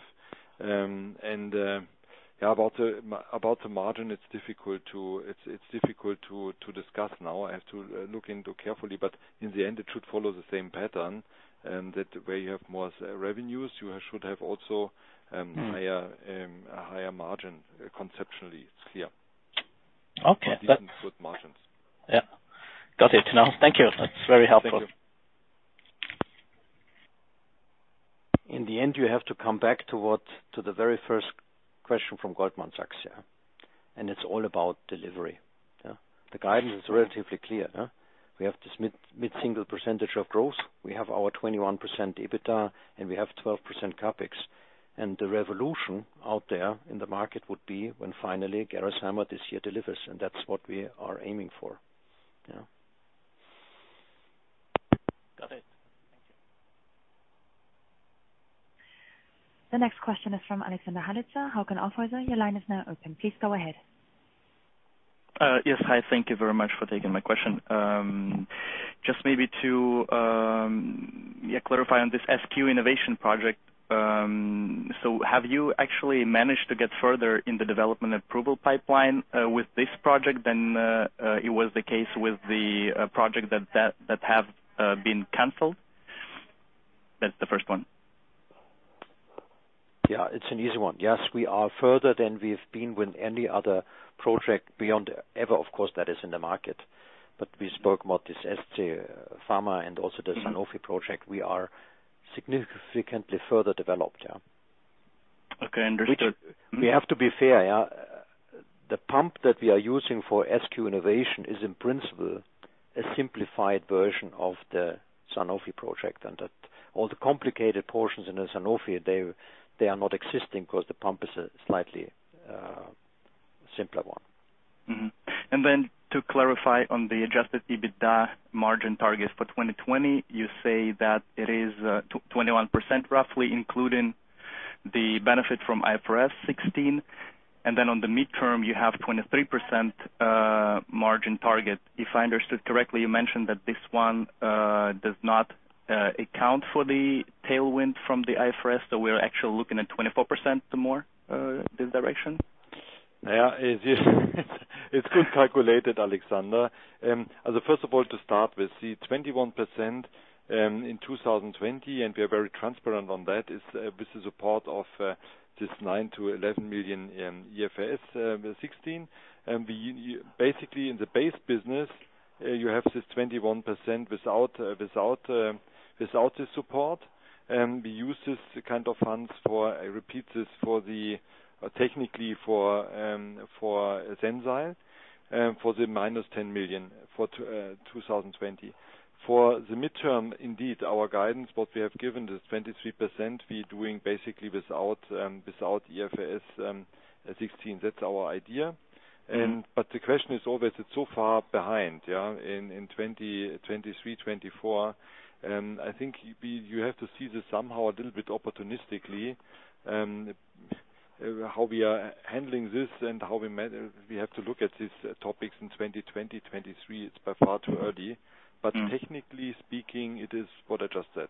About the margin, it's difficult to discuss now. I have to look into carefully, but in the end, it should follow the same pattern that where you have more revenues, you should have also a higher margin. Conceptually, it's clear. Okay. Decent good margins. Yeah. Got it now. Thank you. That's very helpful. Thank you. In the end, you have to come back to the very first question from Goldman Sachs. Yeah. It's all about delivery. The guidance is relatively clear. We have this mid-single percentage of growth. We have our 21% EBITDA, and we have 12% CapEx. The revolution out there in the market would be when finally Gerresheimer this year delivers, and that's what we are aiming for. Yeah. Got it. Thank you. The next question is from Alexander Galitsa, Hauck & Aufhäuser, your line is now open. Please go ahead. Yes. Hi. Thank you very much for taking my question. Just maybe to clarify on this SQ Innovation project. Have you actually managed to get further in the development approval pipeline with this project than it was the case with the project that have been canceled? That's the first one. Yeah. It's an easy one. Yes, we are further than we've been with any other project beyond EVER, of course, that is in the market. We spoke about this scPharma and also the Sanofi project. We are significantly further developed. Yeah. Okay. Understood. We have to be fair. The pump that we are using for SQ Innovation is in principle A simplified version of the Sanofi project and that all the complicated portions in the Sanofi, they are not existing because the pump is a slightly simpler one. To clarify on the adjusted EBITDA margin targets for 2020, you say that it is 21% roughly including the benefit from IFRS 16. On the midterm, you have 23% margin target. If I understood correctly, you mentioned that this one does not account for the tailwind from the IFRS, we're actually looking at 24% the more, the direction? It's well calculated, Alexander. First of all, to start with the 21% in 2020, we are very transparent on that. This is a part of this 9 million-11 million in IFRS 16. Basically, in the base business, you have this 21% without the support. We use this kind of funds for, I repeat this, technically for Sensile, for the -10 million for 2020. For the midterm, indeed, our guidance, what we have given this 23%, we're doing basically without IFRS 16. That's our idea. The question is always, it's so far behind, yeah, in 2023, 2024. I think you have to see this somehow a little bit opportunistically, how we are handling this and we have to look at these topics in 2020, 2023. It's by far too early. Technically speaking, it is what I just said.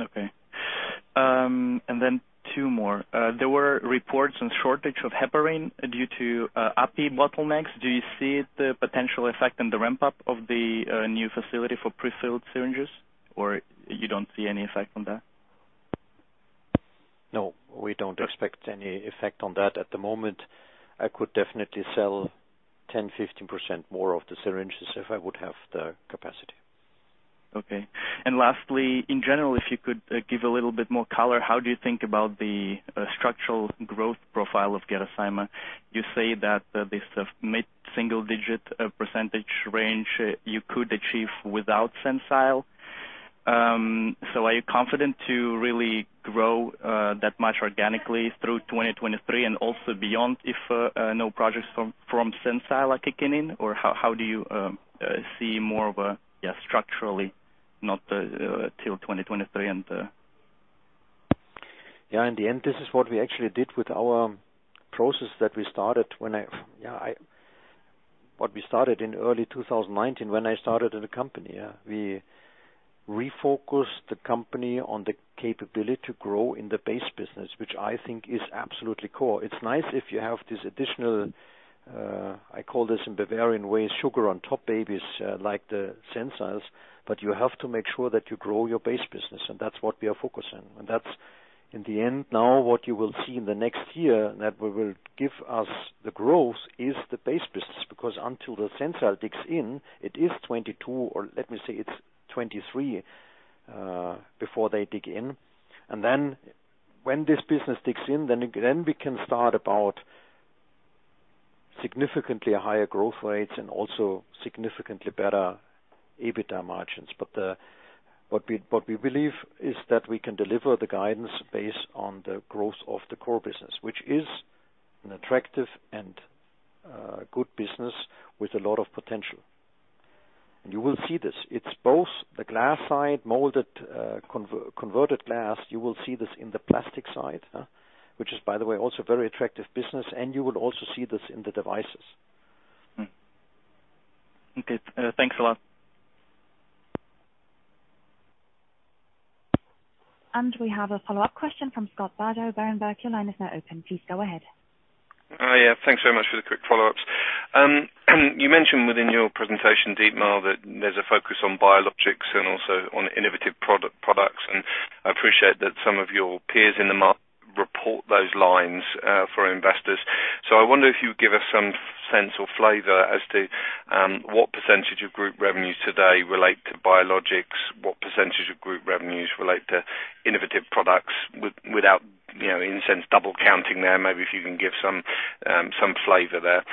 Okay. Two more. There were reports on shortage of heparin due to API bottlenecks. Do you see the potential effect on the ramp-up of the new facility for pre-filled syringes, or you don't see any effect on that? No, we don't expect any effect on that at the moment. I could definitely sell 10%-15% more of the syringes if I would have the capacity. Okay. Lastly, in general, if you could give a little bit more color, how do you think about the structural growth profile of Gerresheimer? You say that this mid-single-digit percentage range you could achieve without Sensile. Are you confident to really grow that much organically through 2023 and also beyond if no projects from Sensile are kicking in? How do you see more of a structurally not till 2023? In the end, this is what we actually did with our process that we started in early 2019 when I started in the company. We refocused the company on the capability to grow in the base business, which I think is absolutely core. It's nice if you have this additional, I call this in Bavarian way, sugar on top babies, like the Sensiles, but you have to make sure that you grow your base business. That's what we are focusing. That's in the end now what you will see in the next year that will give us the growth is the base business, because until the Sensile digs in, it is 2022, or let me say it's 2023, before they dig in. When this business digs in, then we can start about significantly higher growth rates and also significantly better EBITDA margins. What we believe is that we can deliver the guidance based on the growth of the core business, which is an attractive and good business with a lot of potential. You will see this. It's both the glass side, molded converted glass. You will see this in the plastic side, which is by the way, also very attractive business, and you will also see this in the devices. Okay. Thanks a lot. We have a follow-up question from Scott Bardo, Berenberg. Your line is now open. Please go ahead. Yeah. Thanks so much for the quick follow-ups. You mentioned within your presentation, Dietmar, that there's a focus on biologics and also on innovative products, and I appreciate that some of your peers in the market report those lines for investors. I wonder if you'd give us some sense or flavor as to what percent of group revenues today relate to biologics, what percent of group revenues relate to innovative products without, in a sense, double counting there, maybe if you can give some flavor there.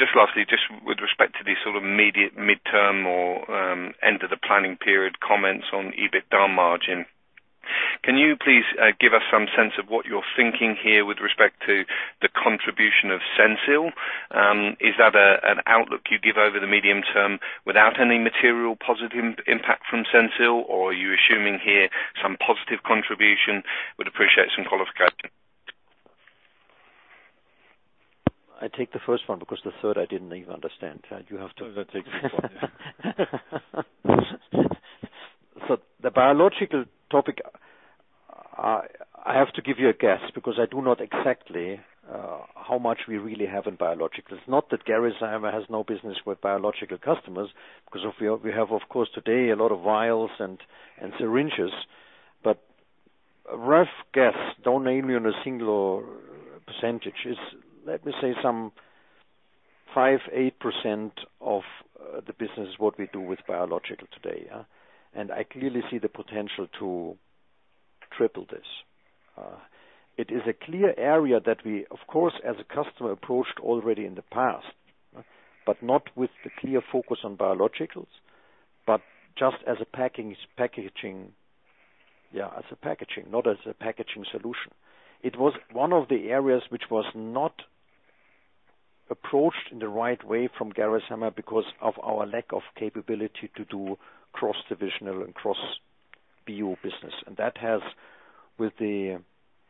Just lastly, just with respect to the sort of immediate midterm or end of the planning period comments on EBITDA margin. Can you please give us some sense of what you're thinking here with respect to the contribution of Sensile? Is that an outlook you give over the medium term without any material positive impact from Sensile, or are you assuming here some positive contribution? Would appreciate some qualification. I take the first one because the third I didn't even understand. I will take the third. The biological topic, I have to give you a guess because I do not exactly how much we really have in biological. It's not that Gerresheimer has no business with biological customers because we have, of course, today a lot of vials and syringes. Rough guess, don't nail me on a single percentage, is let me say some 5%, 8% of the business is what we do with biological today. I clearly see the potential to triple this. It is a clear area that we, of course, as a customer, approached already in the past. Not with the clear focus on biologicals, but just as a packaging, not as a packaging solution. It was one of the areas which was not approached in the right way from Gerresheimer because of our lack of capability to do cross-divisional and cross BU business. That has, with the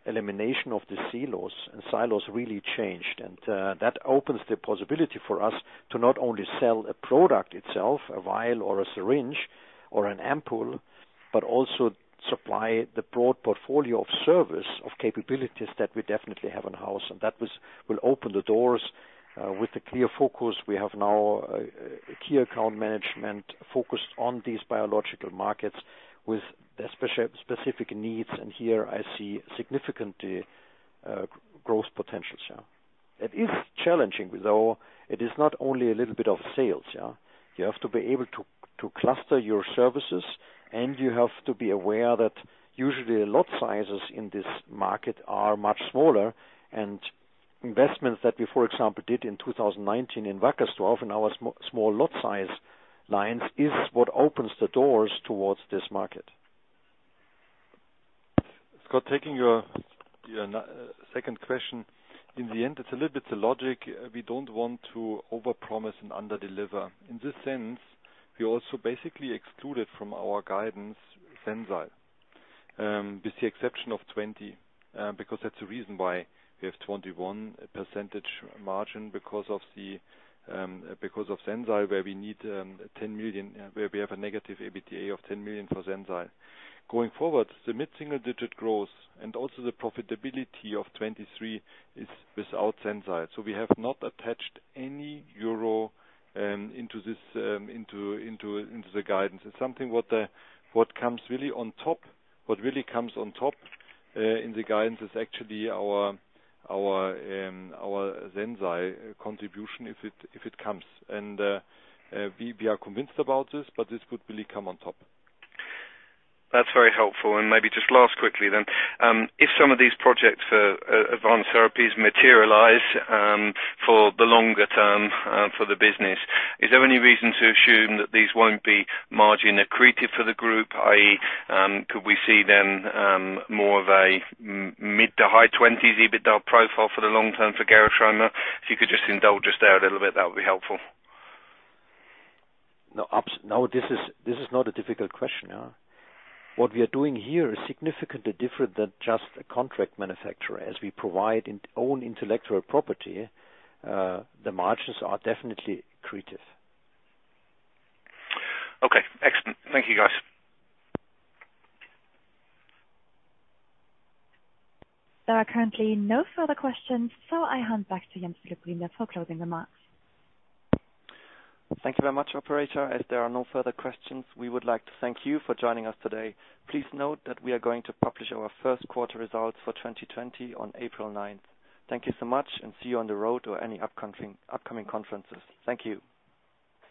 elimination of the silos, really changed. That opens the possibility for us to not only sell a product itself, a vial or a syringe or an ampoule, but also supply the broad portfolio of service, of capabilities that we definitely have in-house. That will open the doors with a clear focus. We have now a key account management focused on these biological markets with their specific needs, and here I see significant growth potentials. It is challenging though. It is not only a little bit of sales. You have to be able to cluster your services, and you have to be aware that usually lot sizes in this market are much smaller, and investments that we, for example, did in 2019 in Wackersdorf in our small lot size lines is what opens the doors towards this market. Scott, taking your second question. In the end, it's a little bit the logic. We don't want to overpromise and underdeliver. In this sense, we also basically excluded from our guidance Sensile. With the exception of 2020, because that's the reason why we have 21% margin because of Sensile, where we have a negative EBITDA of 10 million for Sensile. Going forward, the mid-single digit growth and also the profitability of 2023 is without Sensile. We have not attached any euro into the guidance. It's something what really comes on top in the guidance is actually our Sensile contribution, if it comes. We are convinced about this, but this could really come on top. That's very helpful. Maybe just last quickly. If some of these projects, advanced therapies materialize for the longer term for the business, is there any reason to assume that these won't be margin accretive for the group, i.e., could we see then more of a mid to high 20s EBITDA profile for the long term for Gerresheimer? If you could just indulge us there a little bit, that would be helpful. No, this is not a difficult question. What we are doing here is significantly different than just a contract manufacturer. As we provide own intellectual property, the margins are definitely accretive. Okay, excellent. Thank you, guys. There are currently no further questions, so I hand back to Jens Philipp Briemle for closing remarks. Thank you very much, operator. As there are no further questions, we would like to thank you for joining us today. Please note that we are going to publish our first quarter results for 2020 on April 9th. Thank you so much, and see you on the road or any upcoming conferences. Thank you.